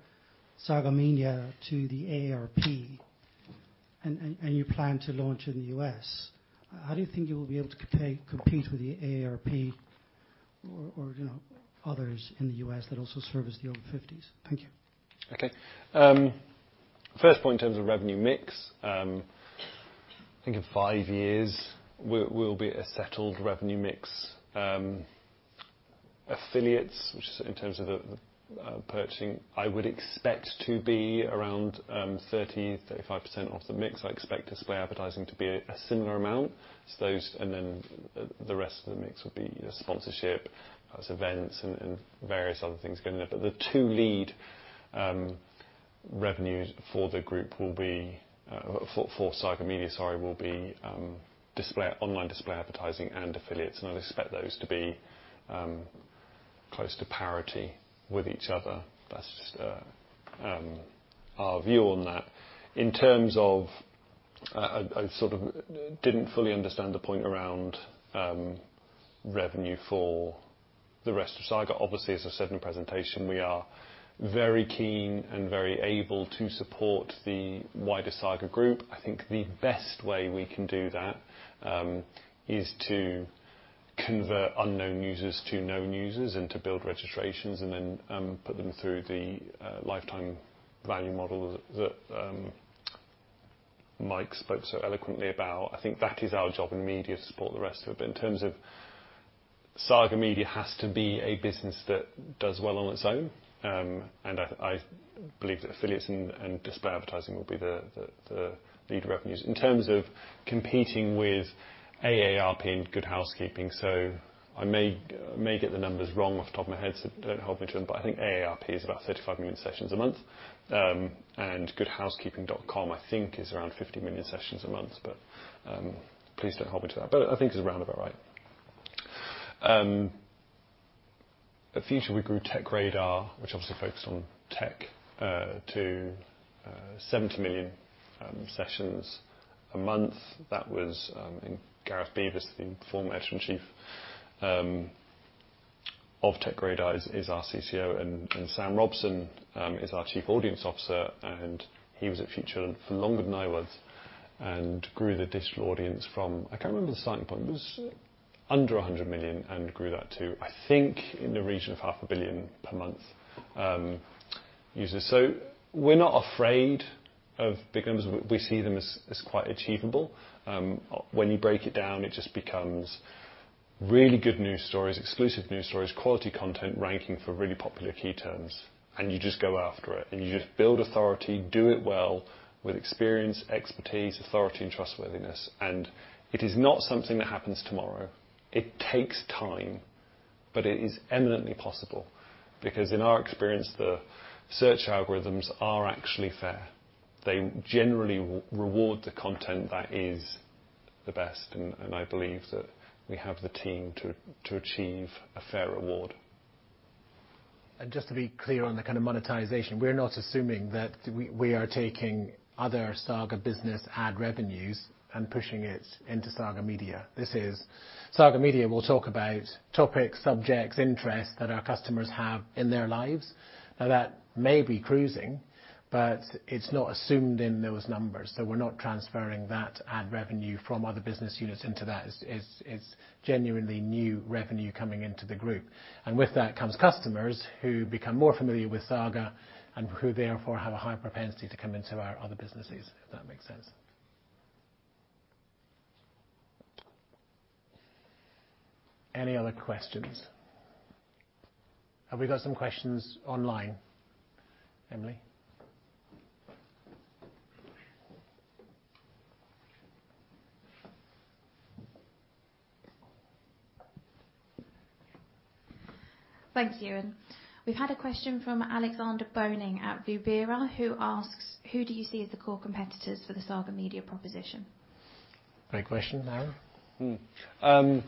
Saga Media to the AARP and you plan to launch in the U.S., how do you think you will be able to compete with the AARP or, you know, others in the U.S. that also service the over fifties? Thank you.
Okay. First point in terms of revenue mix, I think in 5 years, we'll be at a settled revenue mix. Affiliates, which is in terms of the purchasing, I would expect to be around 30%-35% of the mix. I expect display advertising to be a similar amount. Those, the rest of the mix would be, you know, sponsorship, plus events and various other things going in there. The two lead revenues for the group will be for Saga Media, sorry, will be display, online display advertising and affiliates, and I'd expect those to be close to parity with each other. That's just our view on that. In terms of, I sort of didn't fully understand the point around revenue for the rest of Saga. As I said in the presentation, we are very keen and very able to support the wider Saga Group. I think the best way we can do that is to convert unknown users to known users and to build registrations and then put them through the lifetime value model that Mike spoke so eloquently about. I think that is our job in media to support the rest of it. In terms of Saga Media has to be a business that does well on its own, and I believe that affiliates and display advertising will be the lead revenues. In terms of competing with AARP and Good Housekeeping, I may get the numbers wrong off the top of my head, don't hold me to them, I think AARP is about 35 million sessions a month. goodhousekeeping.com, I think is around 50 million sessions a month. Please don't hold me to that. I think it's roundabout right. At Future, we grew TechRadar, which obviously focused on tech, to 70 million sessions a month. That was Gareth Beavis, the former editor-in-chief of TechRadar is our CCO, and Sam Robson is our Chief Audience Officer, and he was at Future for longer than I was, and grew the digital audience from I can't remember the starting point. It was under 100 million and grew that to, I think, in the region of half a billion per month users. We're not afraid of big numbers. We see them as quite achievable. When you break it down, it just becomes really good news stories, exclusive news stories, quality content ranking for really popular key terms, and you just go after it, and you just build authority, do it well with experience, expertise, authority and trustworthiness. It is not something that happens tomorrow. It takes time, but it is eminently possible because in our experience, the search algorithms are actually fair. They generally reward the content that is the best, and I believe that we have the team to achieve a fair reward.
Just to be clear on the kind of monetization, we're not assuming that we are taking other Saga business ad revenues and pushing it into Saga Media. Saga Media, we'll talk about topics, subjects, interests that our customers have in their lives. That may be cruising, it's not assumed in those numbers. We're not transferring that ad revenue from other business units into that. It's genuinely new revenue coming into the group. With that comes customers who become more familiar with Saga and who therefore have a higher propensity to come into our other businesses, if that makes sense. Any other questions? Have we got some questions online, Emily?
Thanks, Ewan. We've had a question from Alexander Böhning at Berenberg who asks, "Who do you see as the core competitors for the Saga Media proposition?
Great question. Aaron?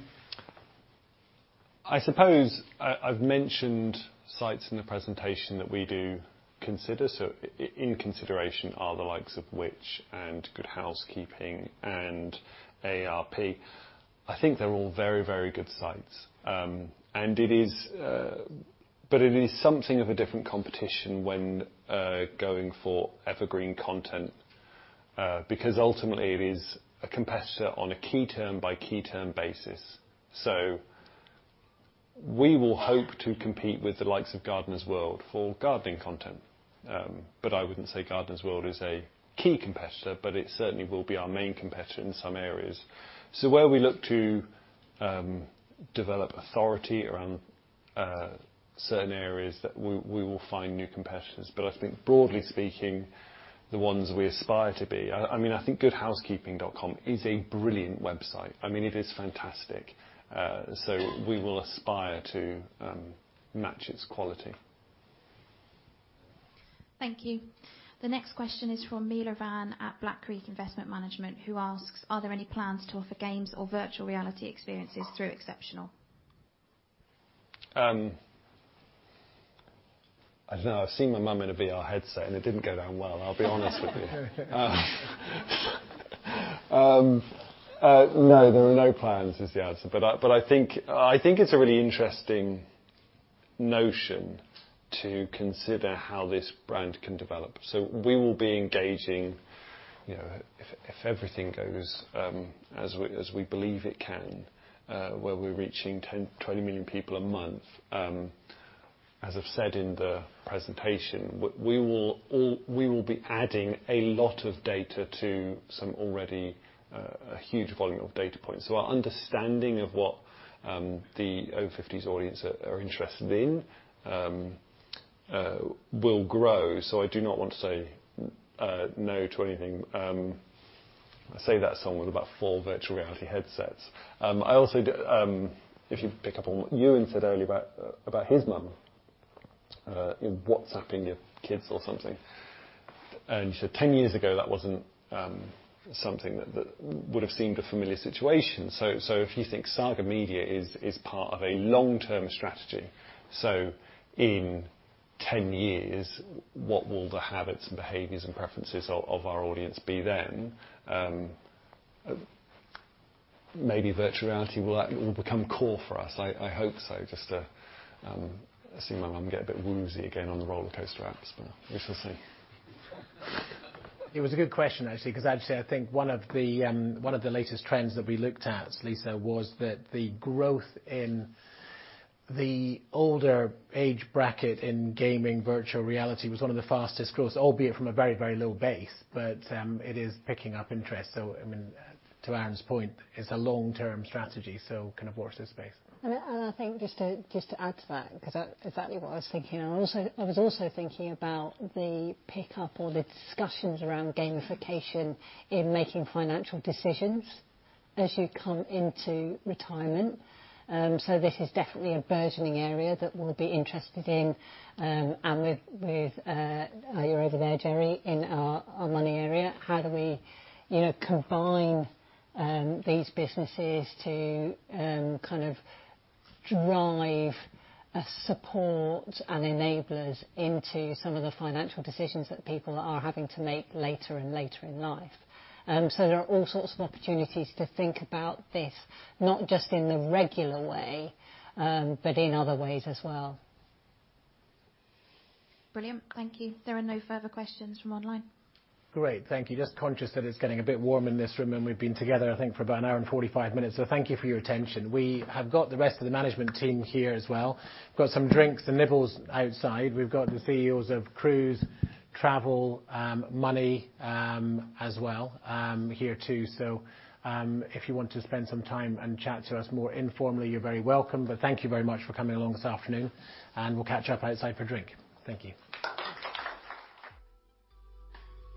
I suppose I've mentioned sites in the presentation that we do consider, so in consideration are the likes of Which? and Good Housekeeping and AARP. I think they're all very, very good sites. It is something of a different competition when going for evergreen content, because ultimately it is a competitor on a key term by key term basis. We will hope to compete with the likes of Gardeners' World for gardening content. I wouldn't say Gardeners' World is a key competitor, but it certainly will be our main competitor in some areas. Where we look to develop authority around certain areas that we will find new competitors. I think broadly speaking, the ones we aspire to be. I mean, I think goodhousekeeping.com is a brilliant website. I mean, it is fantastic. We will aspire to match its quality.
Thank you. The next question is from Mila Van at Black Creek Investment Management, who asks, "Are there any plans to offer games or virtual reality experiences through Exceptional?
I don't know. I've seen my mom in a VR headset, and it didn't go down well, I'll be honest with you. No, there are no plans is the answer. I think it's a really interesting notion to consider how this brand can develop. We will be engaging, you know, if everything goes as we believe it can, where we're reaching 10-20 million people a month, as I've said in the presentation, we will be adding a lot of data to some already a huge volume of data points. Our understanding of what the over 50s audience are interested in will grow. I do not want to say no to anything. I say that somewhat about full virtual reality headsets. I also do. If you pick up on what Ewan said earlier about his mum, WhatsApping your kids or something, 10 years ago, that wasn't something that would have seemed a familiar situation. If you think Saga Media is part of a long-term strategy, in 10 years, what will the habits and behaviors and preferences of our audience be then? Maybe virtual reality will become core for us. I hope so, just to, I see my mom get a bit woozy again on the rollercoaster apps, we shall see.
It was a good question, actually, 'cause actually I think one of the, one of the latest trends that we looked at, Lisa, was that the growth in the older age bracket in gaming virtual reality was one of the fastest grows, albeit from a very, very low base. It is picking up interest. I mean, to Aaron's point, it's a long-term strategy, so kind of watch this space.
I think just to add to that 'cause that's exactly what I was thinking. I was also thinking about the pickup or the discussions around gamification in making financial decisions as you come into retirement. This is definitely a burgeoning area that we'll be interested in, and with you're over there, Jerry, in our money area. How do we, you know, combine these businesses to kind of drive a support and enablers into some of the financial decisions that people are having to make later and later in life? There are all sorts of opportunities to think about this, not just in the regular way, but in other ways as well.
Brilliant. Thank you. There are no further questions from online.
Great. Thank you. Just conscious that it's getting a bit warm in this room, and we've been together, I think, for about 1 hour and 45 minutes, so thank you for your attention. We have got the rest of the management team here as well. Got some drinks and nibbles outside. We've got the CEOs of Cruise, Travel, Money, as well, here too. If you want to spend some time and chat to us more informally, you're very welcome. Thank you very much for coming along this afternoon, and we'll catch up outside for a drink. Thank you.